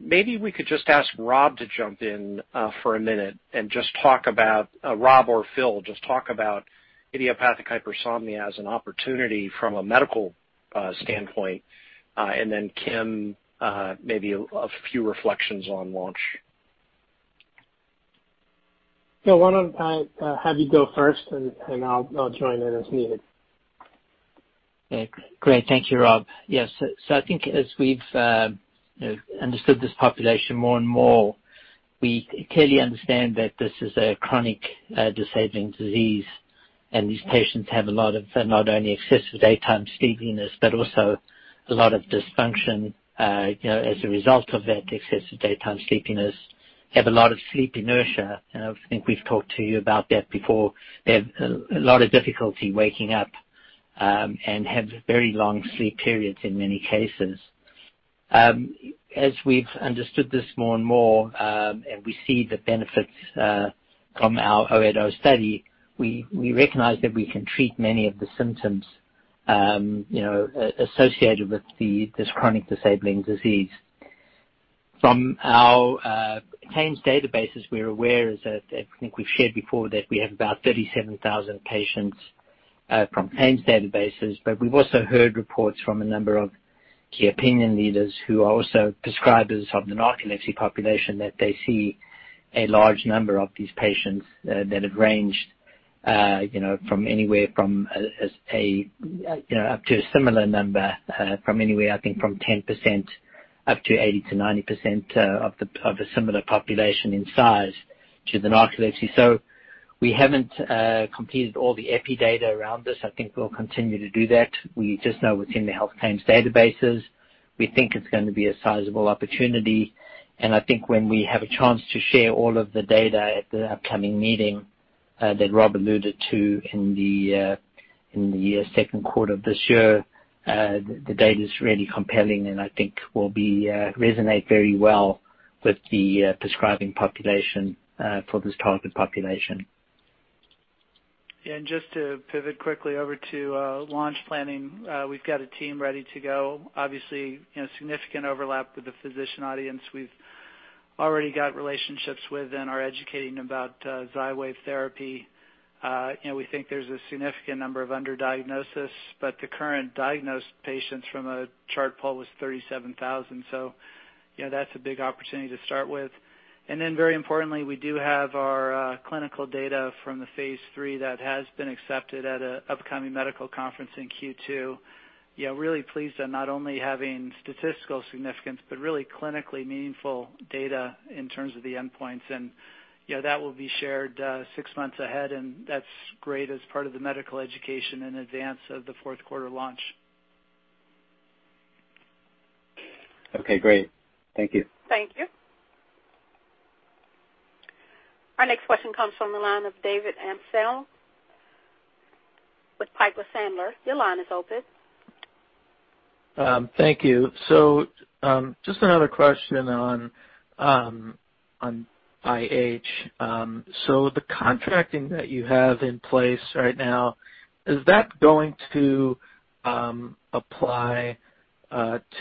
Maybe we could just ask Rob to jump in for a minute and just talk about—Rob or Phil, just talk about idiopathic hypersomnia as an opportunity from a medical standpoint. And then Kim, maybe a few reflections on launch. So why don't I have you go first, and I'll join in as needed. Okay. Great. Thank you, Rob. Yes. I think as we've understood this population more and more, we clearly understand that this is a chronic disabling disease. These patients have a lot of not only excessive daytime sleepiness but also a lot of dysfunction as a result of that excessive daytime sleepiness, have a lot of sleep inertia. I think we've talked to you about that before. They have a lot of difficulty waking up and have very long sleep periods in many cases. As we've understood this more and more and we see the benefits from our ODE study, we recognize that we can treat many of the symptoms associated with this chronic disabling disease. From our Tāne's databases, we're aware that I think we've shared before that we have about 37,000 patients from Tāne's databases. But we've also heard reports from a number of key opinion leaders who are also prescribers of the narcolepsy population that they see a large number of these patients that have ranged from anywhere from up to a similar number from anywhere, I think, from 10% up to 80%-90% of a similar population in size to the narcolepsy. So we haven't completed all the EPI data around this. I think we'll continue to do that. We just know within the health claims databases, we think it's going to be a sizable opportunity. And I think when we have a chance to share all of the data at the upcoming meeting that Rob alluded to in the second quarter of this year, the data is really compelling and I think will resonate very well with the prescribing population for this target population. Just to pivot quickly over to launch planning, we've got a team ready to go. Obviously, significant overlap with the physician audience we've already got relationships with and are educating about XYWAV therapy. We think there's a significant number of underdiagnosis. But the current diagnosed patients from a chart poll was 37,000. So that's a big opportunity to start with. And then very importantly, we do have our clinical data from the phase III that has been accepted at an upcoming medical conference in Q2. Really pleased on not only having statistical significance but really clinically meaningful data in terms of the endpoints. And that will be shared six months ahead. And that's great as part of the medical education in advance of the fourth quarter launch. Okay. Great. Thank you. Thank you. Our next question comes from the line of David Amsellem with Piper Sandler. Your line is open. Thank you. So just another question on IH. So the contracting that you have in place right now, is that going to apply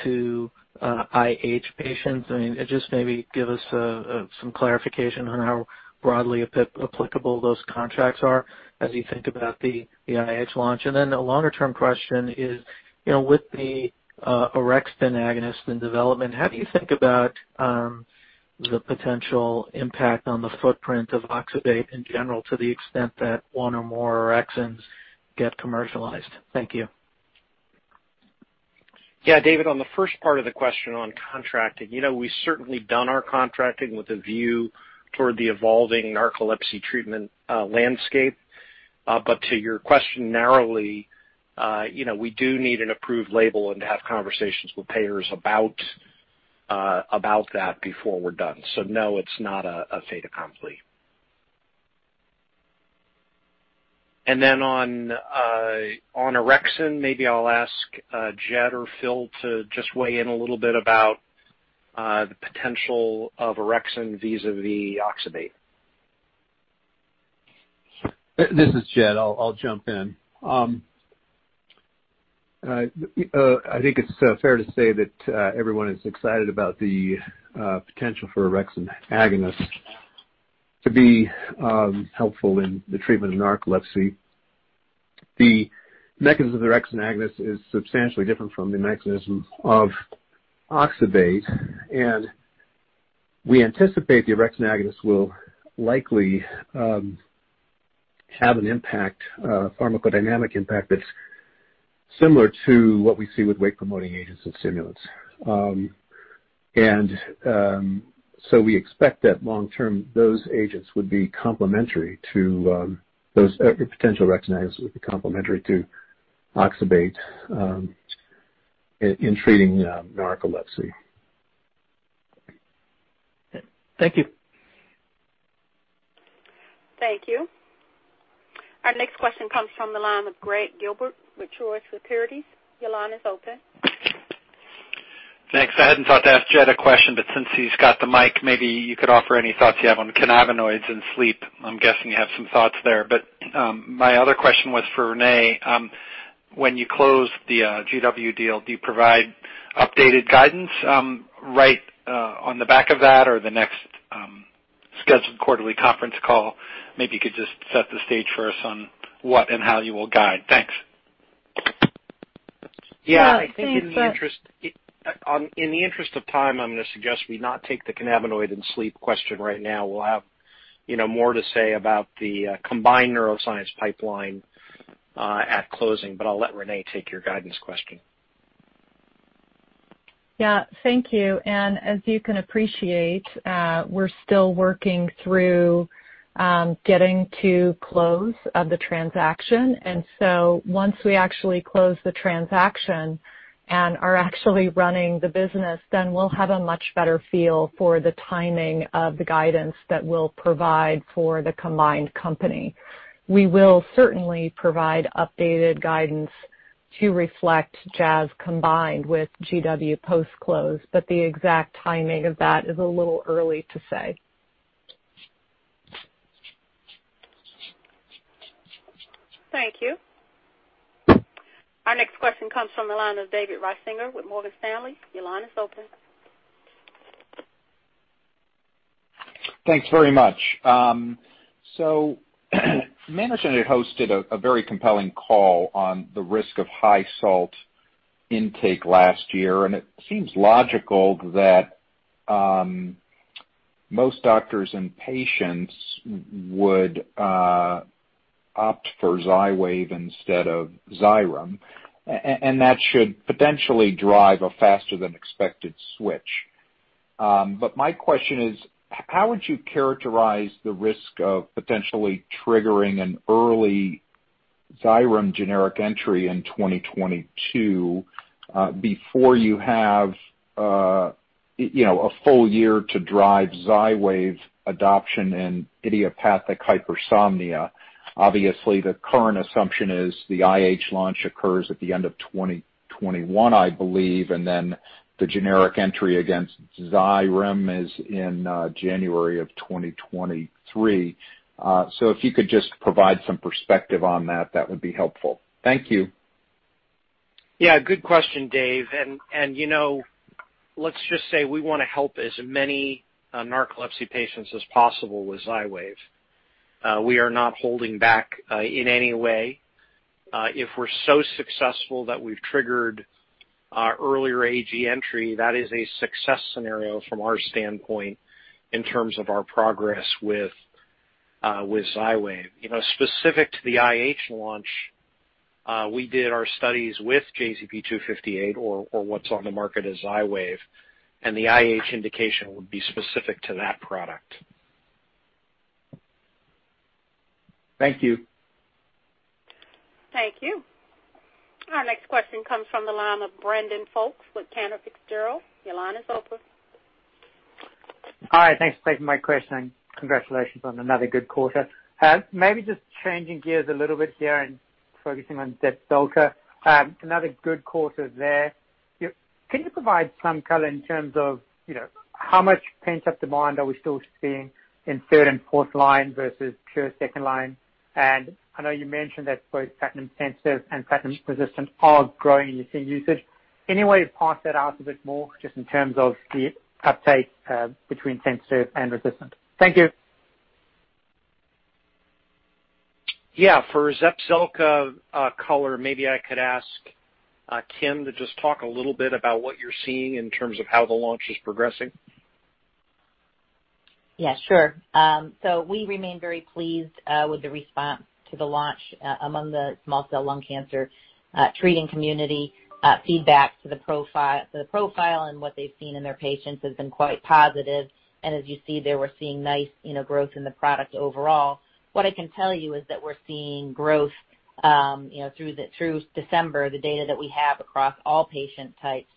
to IH patients? I mean, just maybe give us some clarification on how broadly applicable those contracts are as you think about the IH launch. And then a longer-term question is with the orexin agonist in development, how do you think about the potential impact on the footprint of oxybate in general to the extent that one or more orexins get commercialized? Thank you. Yeah. David, on the first part of the question on contracting, we've certainly done our contracting with a view toward the evolving narcolepsy treatment landscape. But to your question narrowly, we do need an approved label and to have conversations with payers about that before we're done. So no, it's not a fait accompli. And then on orexin, maybe I'll ask Jed or Phil to just weigh in a little bit about the potential of orexin vis-à-vis oxybate. This is Jed. I'll jump in. I think it's fair to say that everyone is excited about the potential for orexin agonist to be helpful in the treatment of narcolepsy. The mechanism of orexin agonist is substantially different from the mechanism of oxybate. And we anticipate the orexin agonist will likely have an impact, a pharmacodynamic impact that's similar to what we see with wake-promoting agents and stimulants. And so we expect that long-term, those agents would be complementary to those potential orexin agonists would be complementary to oxybate in treating narcolepsy. Thank you. Thank you. Our next question comes from the line of Gregg Gilbert with Truist Securities. Your line is open. Thanks. I hadn't thought to ask Jed a question, but since he's got the mic, maybe you could offer any thoughts you have on cannabinoids and sleep. I'm guessing you have some thoughts there. But my other question was for Renée. When you close the GW deal, do you provide updated guidance right on the back of that or the next scheduled quarterly conference call? Maybe you could just set the stage for us on what and how you will guide. Thanks. Yeah. In the interest of time, I'm going to suggest we not take the cannabinoid and sleep question right now. We'll have more to say about the combined neuroscience pipeline at closing. But I'll let Renée take your guidance question. Yeah. Thank you. And as you can appreciate, we're still working through getting to close of the transaction. And so once we actually close the transaction and are actually running the business, then we'll have a much better feel for the timing of the guidance that we'll provide for the combined company. We will certainly provide updated guidance to reflect Jazz combined with GW post-close. But the exact timing of that is a little early to say. Thank you. Our next question comes from the line of David Risinger with Morgan Stanley. Your line is open. Thanks very much. So Management had hosted a very compelling call on the risk of high salt intake last year. And it seems logical that most doctors and patients would opt for XYWAV instead of XYREM. And that should potentially drive a faster-than-expected switch. But my question is, how would you characterize the risk of potentially triggering an early XYREM generic entry in 2022 before you have a full year to drive XYWAV adoption in idiopathic hypersomnia? Obviously, the current assumption is the IH launch occurs at the end of 2021, I believe, and then the generic entry against XYREM is in January of 2023. So if you could just provide some perspective on that, that would be helpful. Thank you. Yeah. Good question, Dave. And let's just say we want to help as many narcolepsy patients as possible with XYWAV. We are not holding back in any way. If we're so successful that we've triggered earlier ANDA entry, that is a success scenario from our standpoint in terms of our progress with XYWAV. Specific to the IH launch, we did our studies with JZP-258 or what's on the market as XYWAV. And the IH indication would be specific to that product. Thank you. Thank you. Our next question comes from the line of Brandon Folkes with Cantor Fitzgerald. Your line is open. Hi. Thanks for taking my question. Congratulations on another good quarter. Maybe just changing gears a little bit here and focusing on ZEPZELCA. Another good quarter there. Can you provide some color in terms of how much pent-up demand are we still seeing in third- and fourth-line versus pure second-line? And I know you mentioned that both platinum-sensitive and platinum-resistant are growing in your third-line usage. Any way to parse that out a bit more just in terms of the uptake between sensitive and resistant? Thank you. Yeah. For ZEPZELCA color, maybe I could ask Kim to just talk a little bit about what you're seeing in terms of how the launch is progressing. Yeah. Sure. So we remain very pleased with the response to the launch among the small cell lung cancer treating community. Feedback to the profile and what they've seen in their patients has been quite positive. And as you see there, we're seeing nice growth in the product overall. What I can tell you is that we're seeing growth through December, the data that we have across all patient types,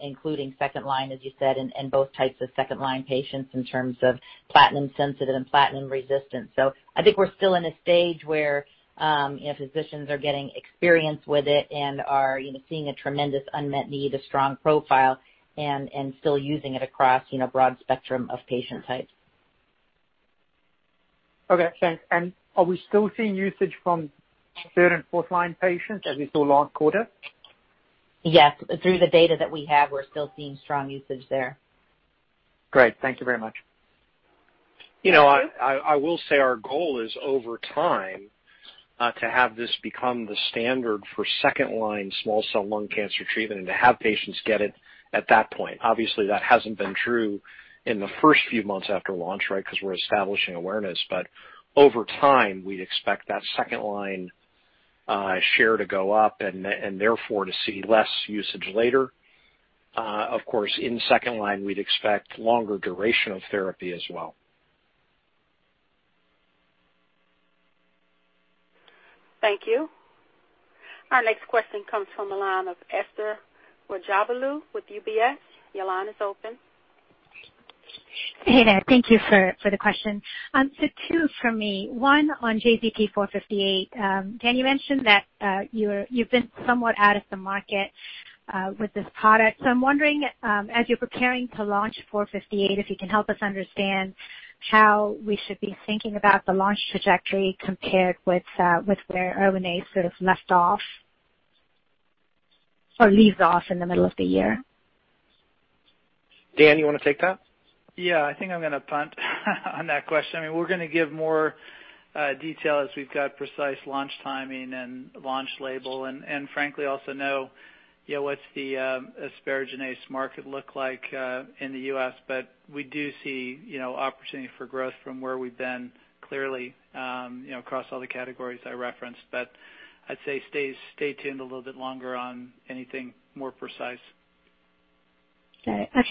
including second line, as you said, and both types of second line patients in terms of platinum-sensitive and platinum-resistant. So I think we're still in a stage where physicians are getting experience with it and are seeing a tremendous unmet need, a strong profile, and still using it across a broad spectrum of patient types. Okay. Thanks. And are we still seeing usage from third and fourth line patients as we saw last quarter? Yes. Through the data that we have, we're still seeing strong usage there. Great. Thank you very much. I will say our goal is over time to have this become the standard for second line small cell lung cancer treatment and to have patients get it at that point. Obviously, that hasn't been true in the first few months after launch, right, because we're establishing awareness. But over time, we'd expect that second line share to go up and therefore to see less usage later. Of course, in second line, we'd expect longer duration of therapy as well. Thank you. Our next question comes from the line of Esther Rajavelu with UBS. Your line is open. Hey, there. Thank you for the question. So two for me. One on JZP-458. Dan, you mentioned that you've been somewhat out of the market with this product. I'm wondering, as you're preparing to launch 458, if you can help us understand how we should be thinking about the launch trajectory compared with where ERWINAZE sort of left off or leaves off in the middle of the year. Dan, you want to take that? Yeah. I think I'm going to punt on that question. I mean, we're going to give more detail as we've got precise launch timing and launch label. And frankly, also know what's the asparaginase market look like in the U.S. But we do see opportunity for growth from where we've been clearly across all the categories I referenced. But I'd say stay tuned a little bit longer on anything more precise. Got it.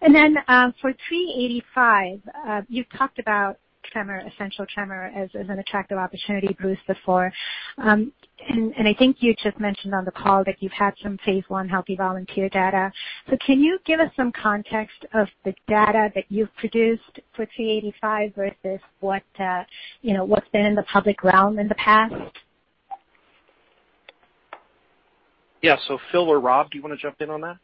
Okay. Then for 385, you've talked about essential tremor as an attractive opportunity, Bruce, before. And I think you just mentioned on the call that you've had some phase I healthy volunteer data. So can you give us some context of the data that you've produced for 385 versus what's been in the public realm in the past? Yeah. So Phil or Rob, do you want to jump in on that?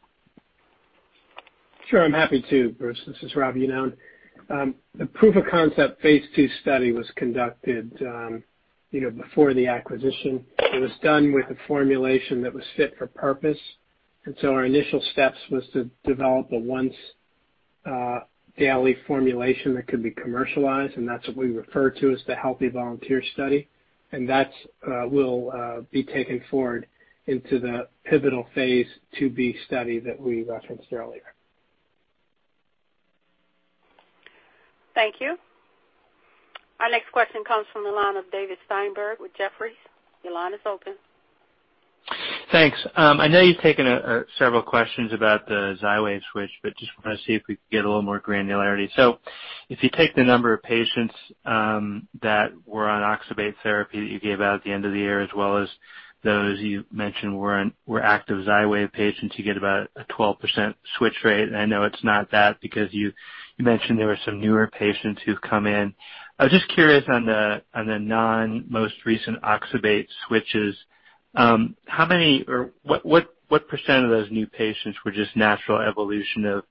Sure. I'm happy to, Bruce. This is Rob. You know. The proof of concept phase II study was conducted before the acquisition. It was done with a formulation that was fit for purpose. And so our initial steps was to develop a once-daily formulation that could be commercialized. And that's what we refer to as the healthy volunteer study. And that will be taken forward into the phase II-B study that we referenced earlier. Thank you. Our next question comes from the line of David Steinberg with Jefferies. Your line is open. Thanks. I know you've taken several questions about the XYWAV switch, but just want to see if we can get a little more granularity. So if you take the number of patients that were on oxybate therapy that you gave out at the end of the year, as well as those you mentioned were active XYWAV patients, you get about a 12% switch rate. And I know it's not that because you mentioned there were some newer patients who've come in. I'm just curious on the non-most recent oxybate switches. What percent of those new patients were just natural evolution of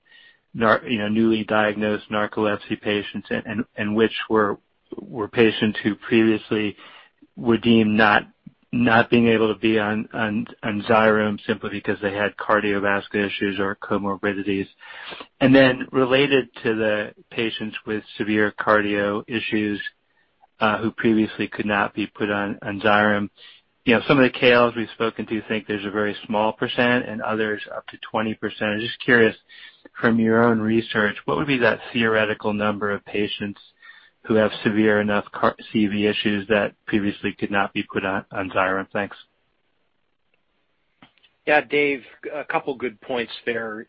newly diagnosed narcolepsy patients and which were patients who previously were deemed not being able to be on XYREM simply because they had cardiovascular issues or comorbidities? And then related to the patients with severe cardio issues who previously could not be put on XYREM, some of the KLs we've spoken to think there's a very small percent and others up to 20%. I'm just curious, from your own research, what would be that theoretical number of patients who have severe enough CV issues that previously could not be put on XYREM? Thanks. Yeah. Dave, a couple of good points there.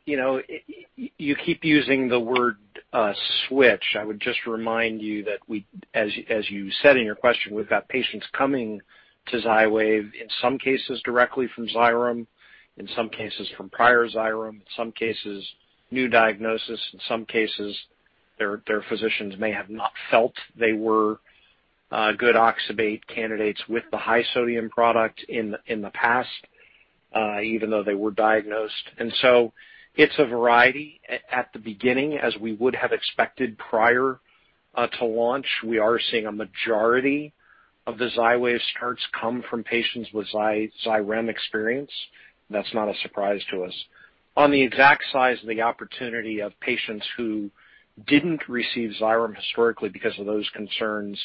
You keep using the word switch. I would just remind you that, as you said in your question, we've got patients coming to XYWAV, in some cases directly from XYREM, in some cases from prior XYREM, in some cases new diagnosis, in some cases their physicians may have not felt they were good oxybate candidates with the high sodium product in the past, even though they were diagnosed. And so it's a variety at the beginning, as we would have expected prior to launch. We are seeing a majority of the XYWAV starts come from patients with XYREM experience. That's not a surprise to us. On the exact size of the opportunity of patients who didn't receive XYREM historically because of those concerns,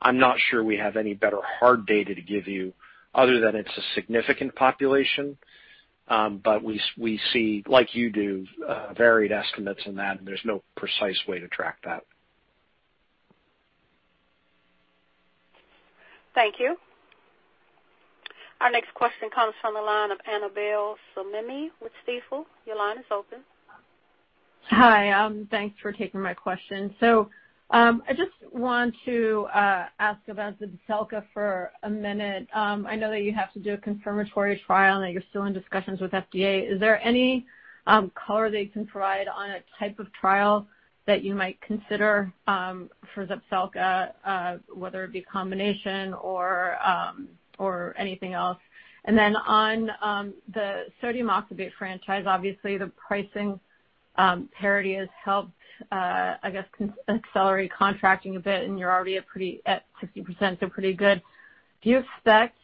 I'm not sure we have any better hard data to give you other than it's a significant population. But we see, like you do, varied estimates in that, and there's no precise way to track that. Thank you. Our next question comes from the line of Annabel Samimy with Stifel. Your line is open. Hi. Thanks for taking my question. So I just want to ask about ZEPZELCA for a minute. I know that you have to do a confirmatory trial and that you're still in discussions with FDA. Is there any color they can provide on a type of trial that you might consider for ZEPZELCA, whether it be combination or anything else? And then on the sodium oxybate franchise, obviously, the pricing parity has helped, I guess, accelerate contracting a bit, and you're already at 60%, so pretty good. Do you expect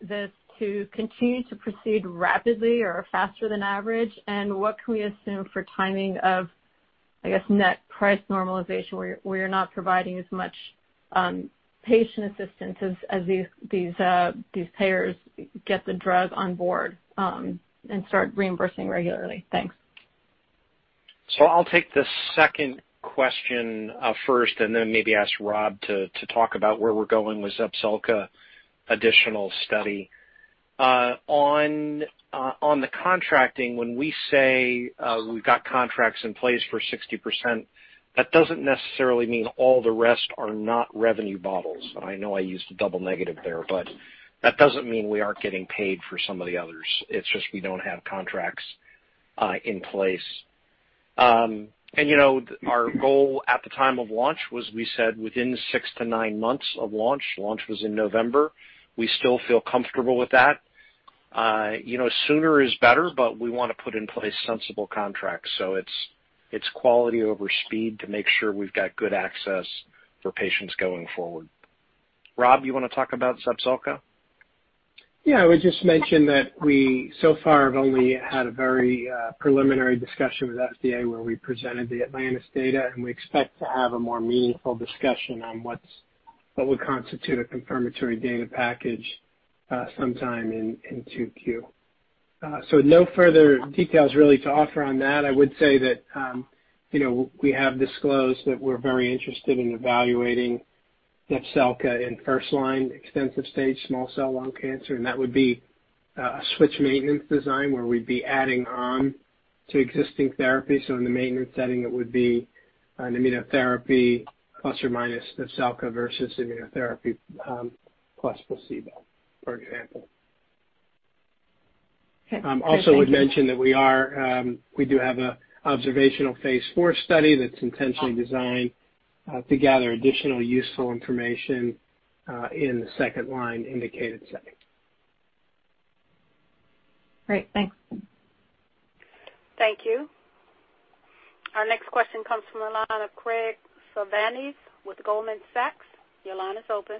this to continue to proceed rapidly or faster than average? And what can we assume for timing of, I guess, net price normalization where you're not providing as much patient assistance as these payers get the drug on board and start reimbursing regularly? Thanks. I'll take the second question first and then maybe ask Rob to talk about where we're going with ZEPZELCA additional study. On the contracting, when we say we've got contracts in place for 60%, that doesn't necessarily mean all the rest are not revenue bottlenecks. I know I used a double negative there, but that doesn't mean we aren't getting paid for some of the others. It's just we don't have contracts in place, and our goal at the time of launch was we said within six to nine months of launch, launch was in November, we still feel comfortable with that. Sooner is better, but we want to put in place sensible contracts, so it's quality over speed to make sure we've got good access for patients going forward. Rob, you want to talk about ZEPZELCA? Yeah. I would just mention that we, so far, have only had a very preliminary discussion with FDA where we presented the Atlantis data, and we expect to have a more meaningful discussion on what would constitute a confirmatory data package sometime in Q2, so no further details really to offer on that. I would say that we have disclosed that we're very interested in evaluating ZEPZELCA in first line extensive stage small cell lung cancer. And that would be a switch maintenance design where we'd be adding on to existing therapy. So in the maintenance setting, it would be an immunotherapy plus or minus ZEPZELCA versus immunotherapy plus placebo, for example. I also would mention that we do have an observational phase four study that's intentionally designed to gather additional useful information in the second line indicated setting. Great. Thanks. Thank you. Our next question comes from the line of Graig Suvannavejh with Goldman Sachs. Your line is open.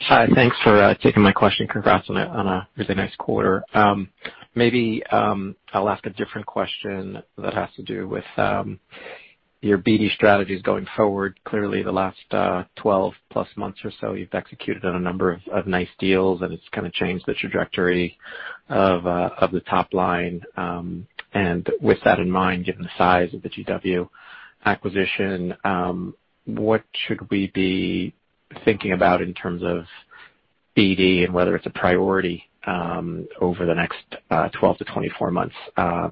Hi. Thanks for taking my question. Congrats on a really nice quarter. Maybe I'll ask a different question that has to do with your BD strategies going forward. Clearly, the last 12-plus months or so, you've executed on a number of nice deals, and it's kind of changed the trajectory of the top line. And with that in mind, given the size of the GW acquisition, what should we be thinking about in terms of BD and whether it's a priority over the next 12 to 24 months?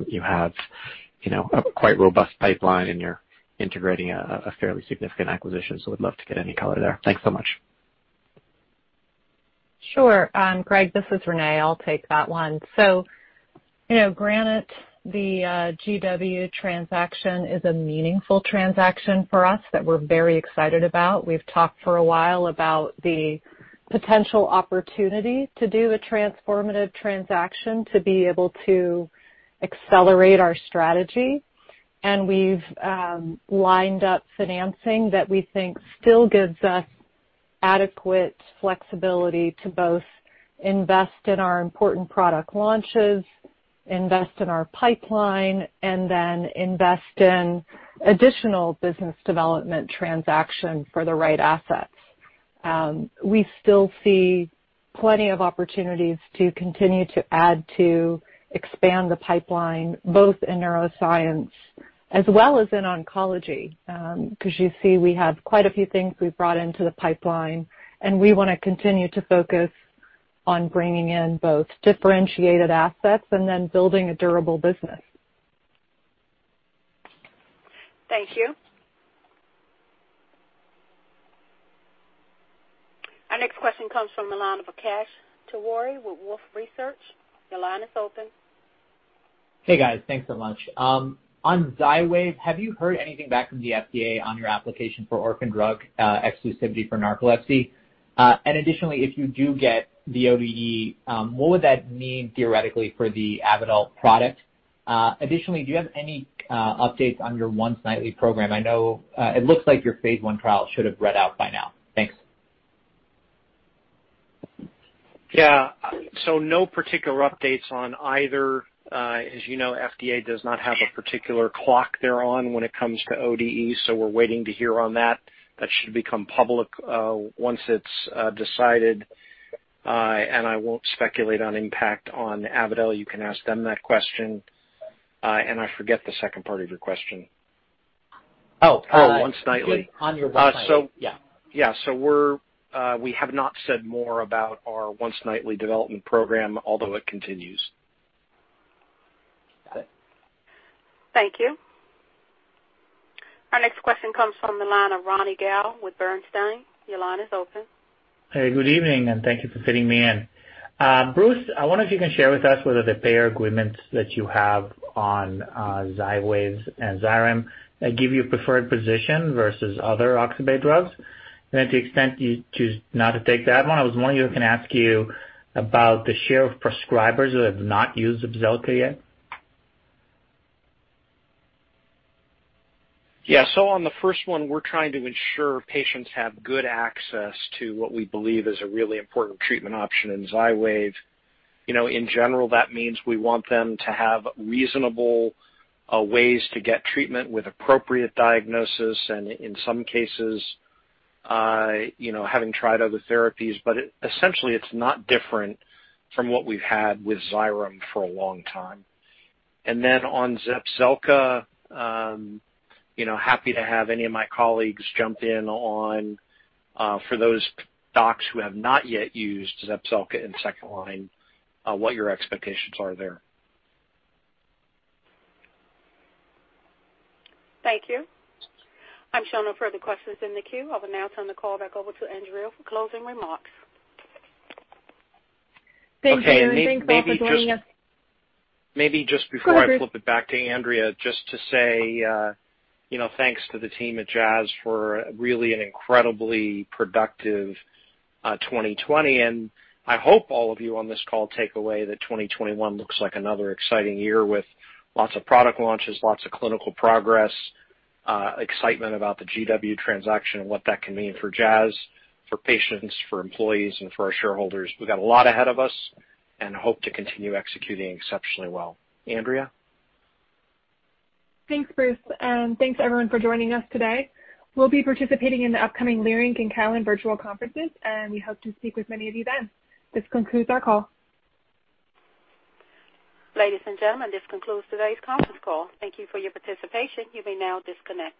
You have a quite robust pipeline, and you're integrating a fairly significant acquisition, so we'd love to get any color there. Thanks so much. Sure. Graig, this is Renée. I'll take that one. So granted, the GW transaction is a meaningful transaction for us that we're very excited about. We've talked for a while about the potential opportunity to do a transformative transaction to be able to accelerate our strategy. And we've lined up financing that we think still gives us adequate flexibility to both invest in our important product launches, invest in our pipeline, and then invest in additional business development transaction for the right assets. We still see plenty of opportunities to continue to add to expand the pipeline, both in neuroscience as well as in oncology, because you see we have quite a few things we've brought into the pipeline, and we want to continue to focus on bringing in both differentiated assets and then building a durable business. Thank you. Our next question comes from the line of Akash Tewari with Wolfe Research. Your line is open. Hey, guys. Thanks so much. On XYWAV, have you heard anything back from the FDA on your application for orphan drug exclusivity for narcolepsy? And additionally, if you do get the ODE, what would that mean theoretically for the Avadel product? Additionally, do you have any updates on your once-nightly program? I know it looks like your phase I trial should have read out by now. Thanks. Yeah. So no particular updates on either. As you know, FDA does not have a particular clock they're on when it comes to ODE, so we're waiting to hear on that. That should become public once it's decided. And I won't speculate on impact on Avadel. You can ask them that question. And I forget the second part of your question. Oh, once nightly. On your once-nightly. Yeah. Yeah. So we have not said more about our once-nightly development program, although it continues. Got it. Thank you. Our next question comes from the line of Ronny Gal with Bernstein. Your line is open. Hey, good evening, and thank you for fitting me in. Bruce, I wonder if you can share with us whether the payer agreements that you have on XYWAV and XYREM give you a preferred position versus other oxybate drugs. And to the extent you choose not to take that one, I was wondering if I can ask you about the share of prescribers who have not used ZEPZELCA yet. Yeah. So on the first one, we're trying to ensure patients have good access to what we believe is a really important treatment option in XYWAV. In general, that means we want them to have reasonable ways to get treatment with appropriate diagnosis and, in some cases, having tried other therapies. But essentially, it's not different from what we've had with XYREM for a long time. And then on ZEPZELCA, happy to have any of my colleagues jump in for those docs who have not yet used ZEPZELCA in second line, what your expectations are there. Thank you. I'm showing no further questions in the queue. I'll now turn the call back over to Andrea for closing remarks. Thank you. Thanks you for joining us. Maybe just before I flip it back to Andrea, just to say thanks to the team at Jazz for really an incredibly productive 2020. And I hope all of you on this call take away that 2021 looks like another exciting year with lots of product launches, lots of clinical progress, excitement about the GW transaction and what that can mean for Jazz, for patients, for employees, and for our shareholders. We've got a lot ahead of us and hope to continue executing exceptionally well. Andrea? Thanks, Bruce. Thanks everyone for joining us today. We'll be participating in the upcoming Leerink and Callan virtual conferences, and we hope to speak with many of you then. This concludes our call. Ladies and gentlemen, this concludes today's conference call. Thank you for your participation. You may now disconnect.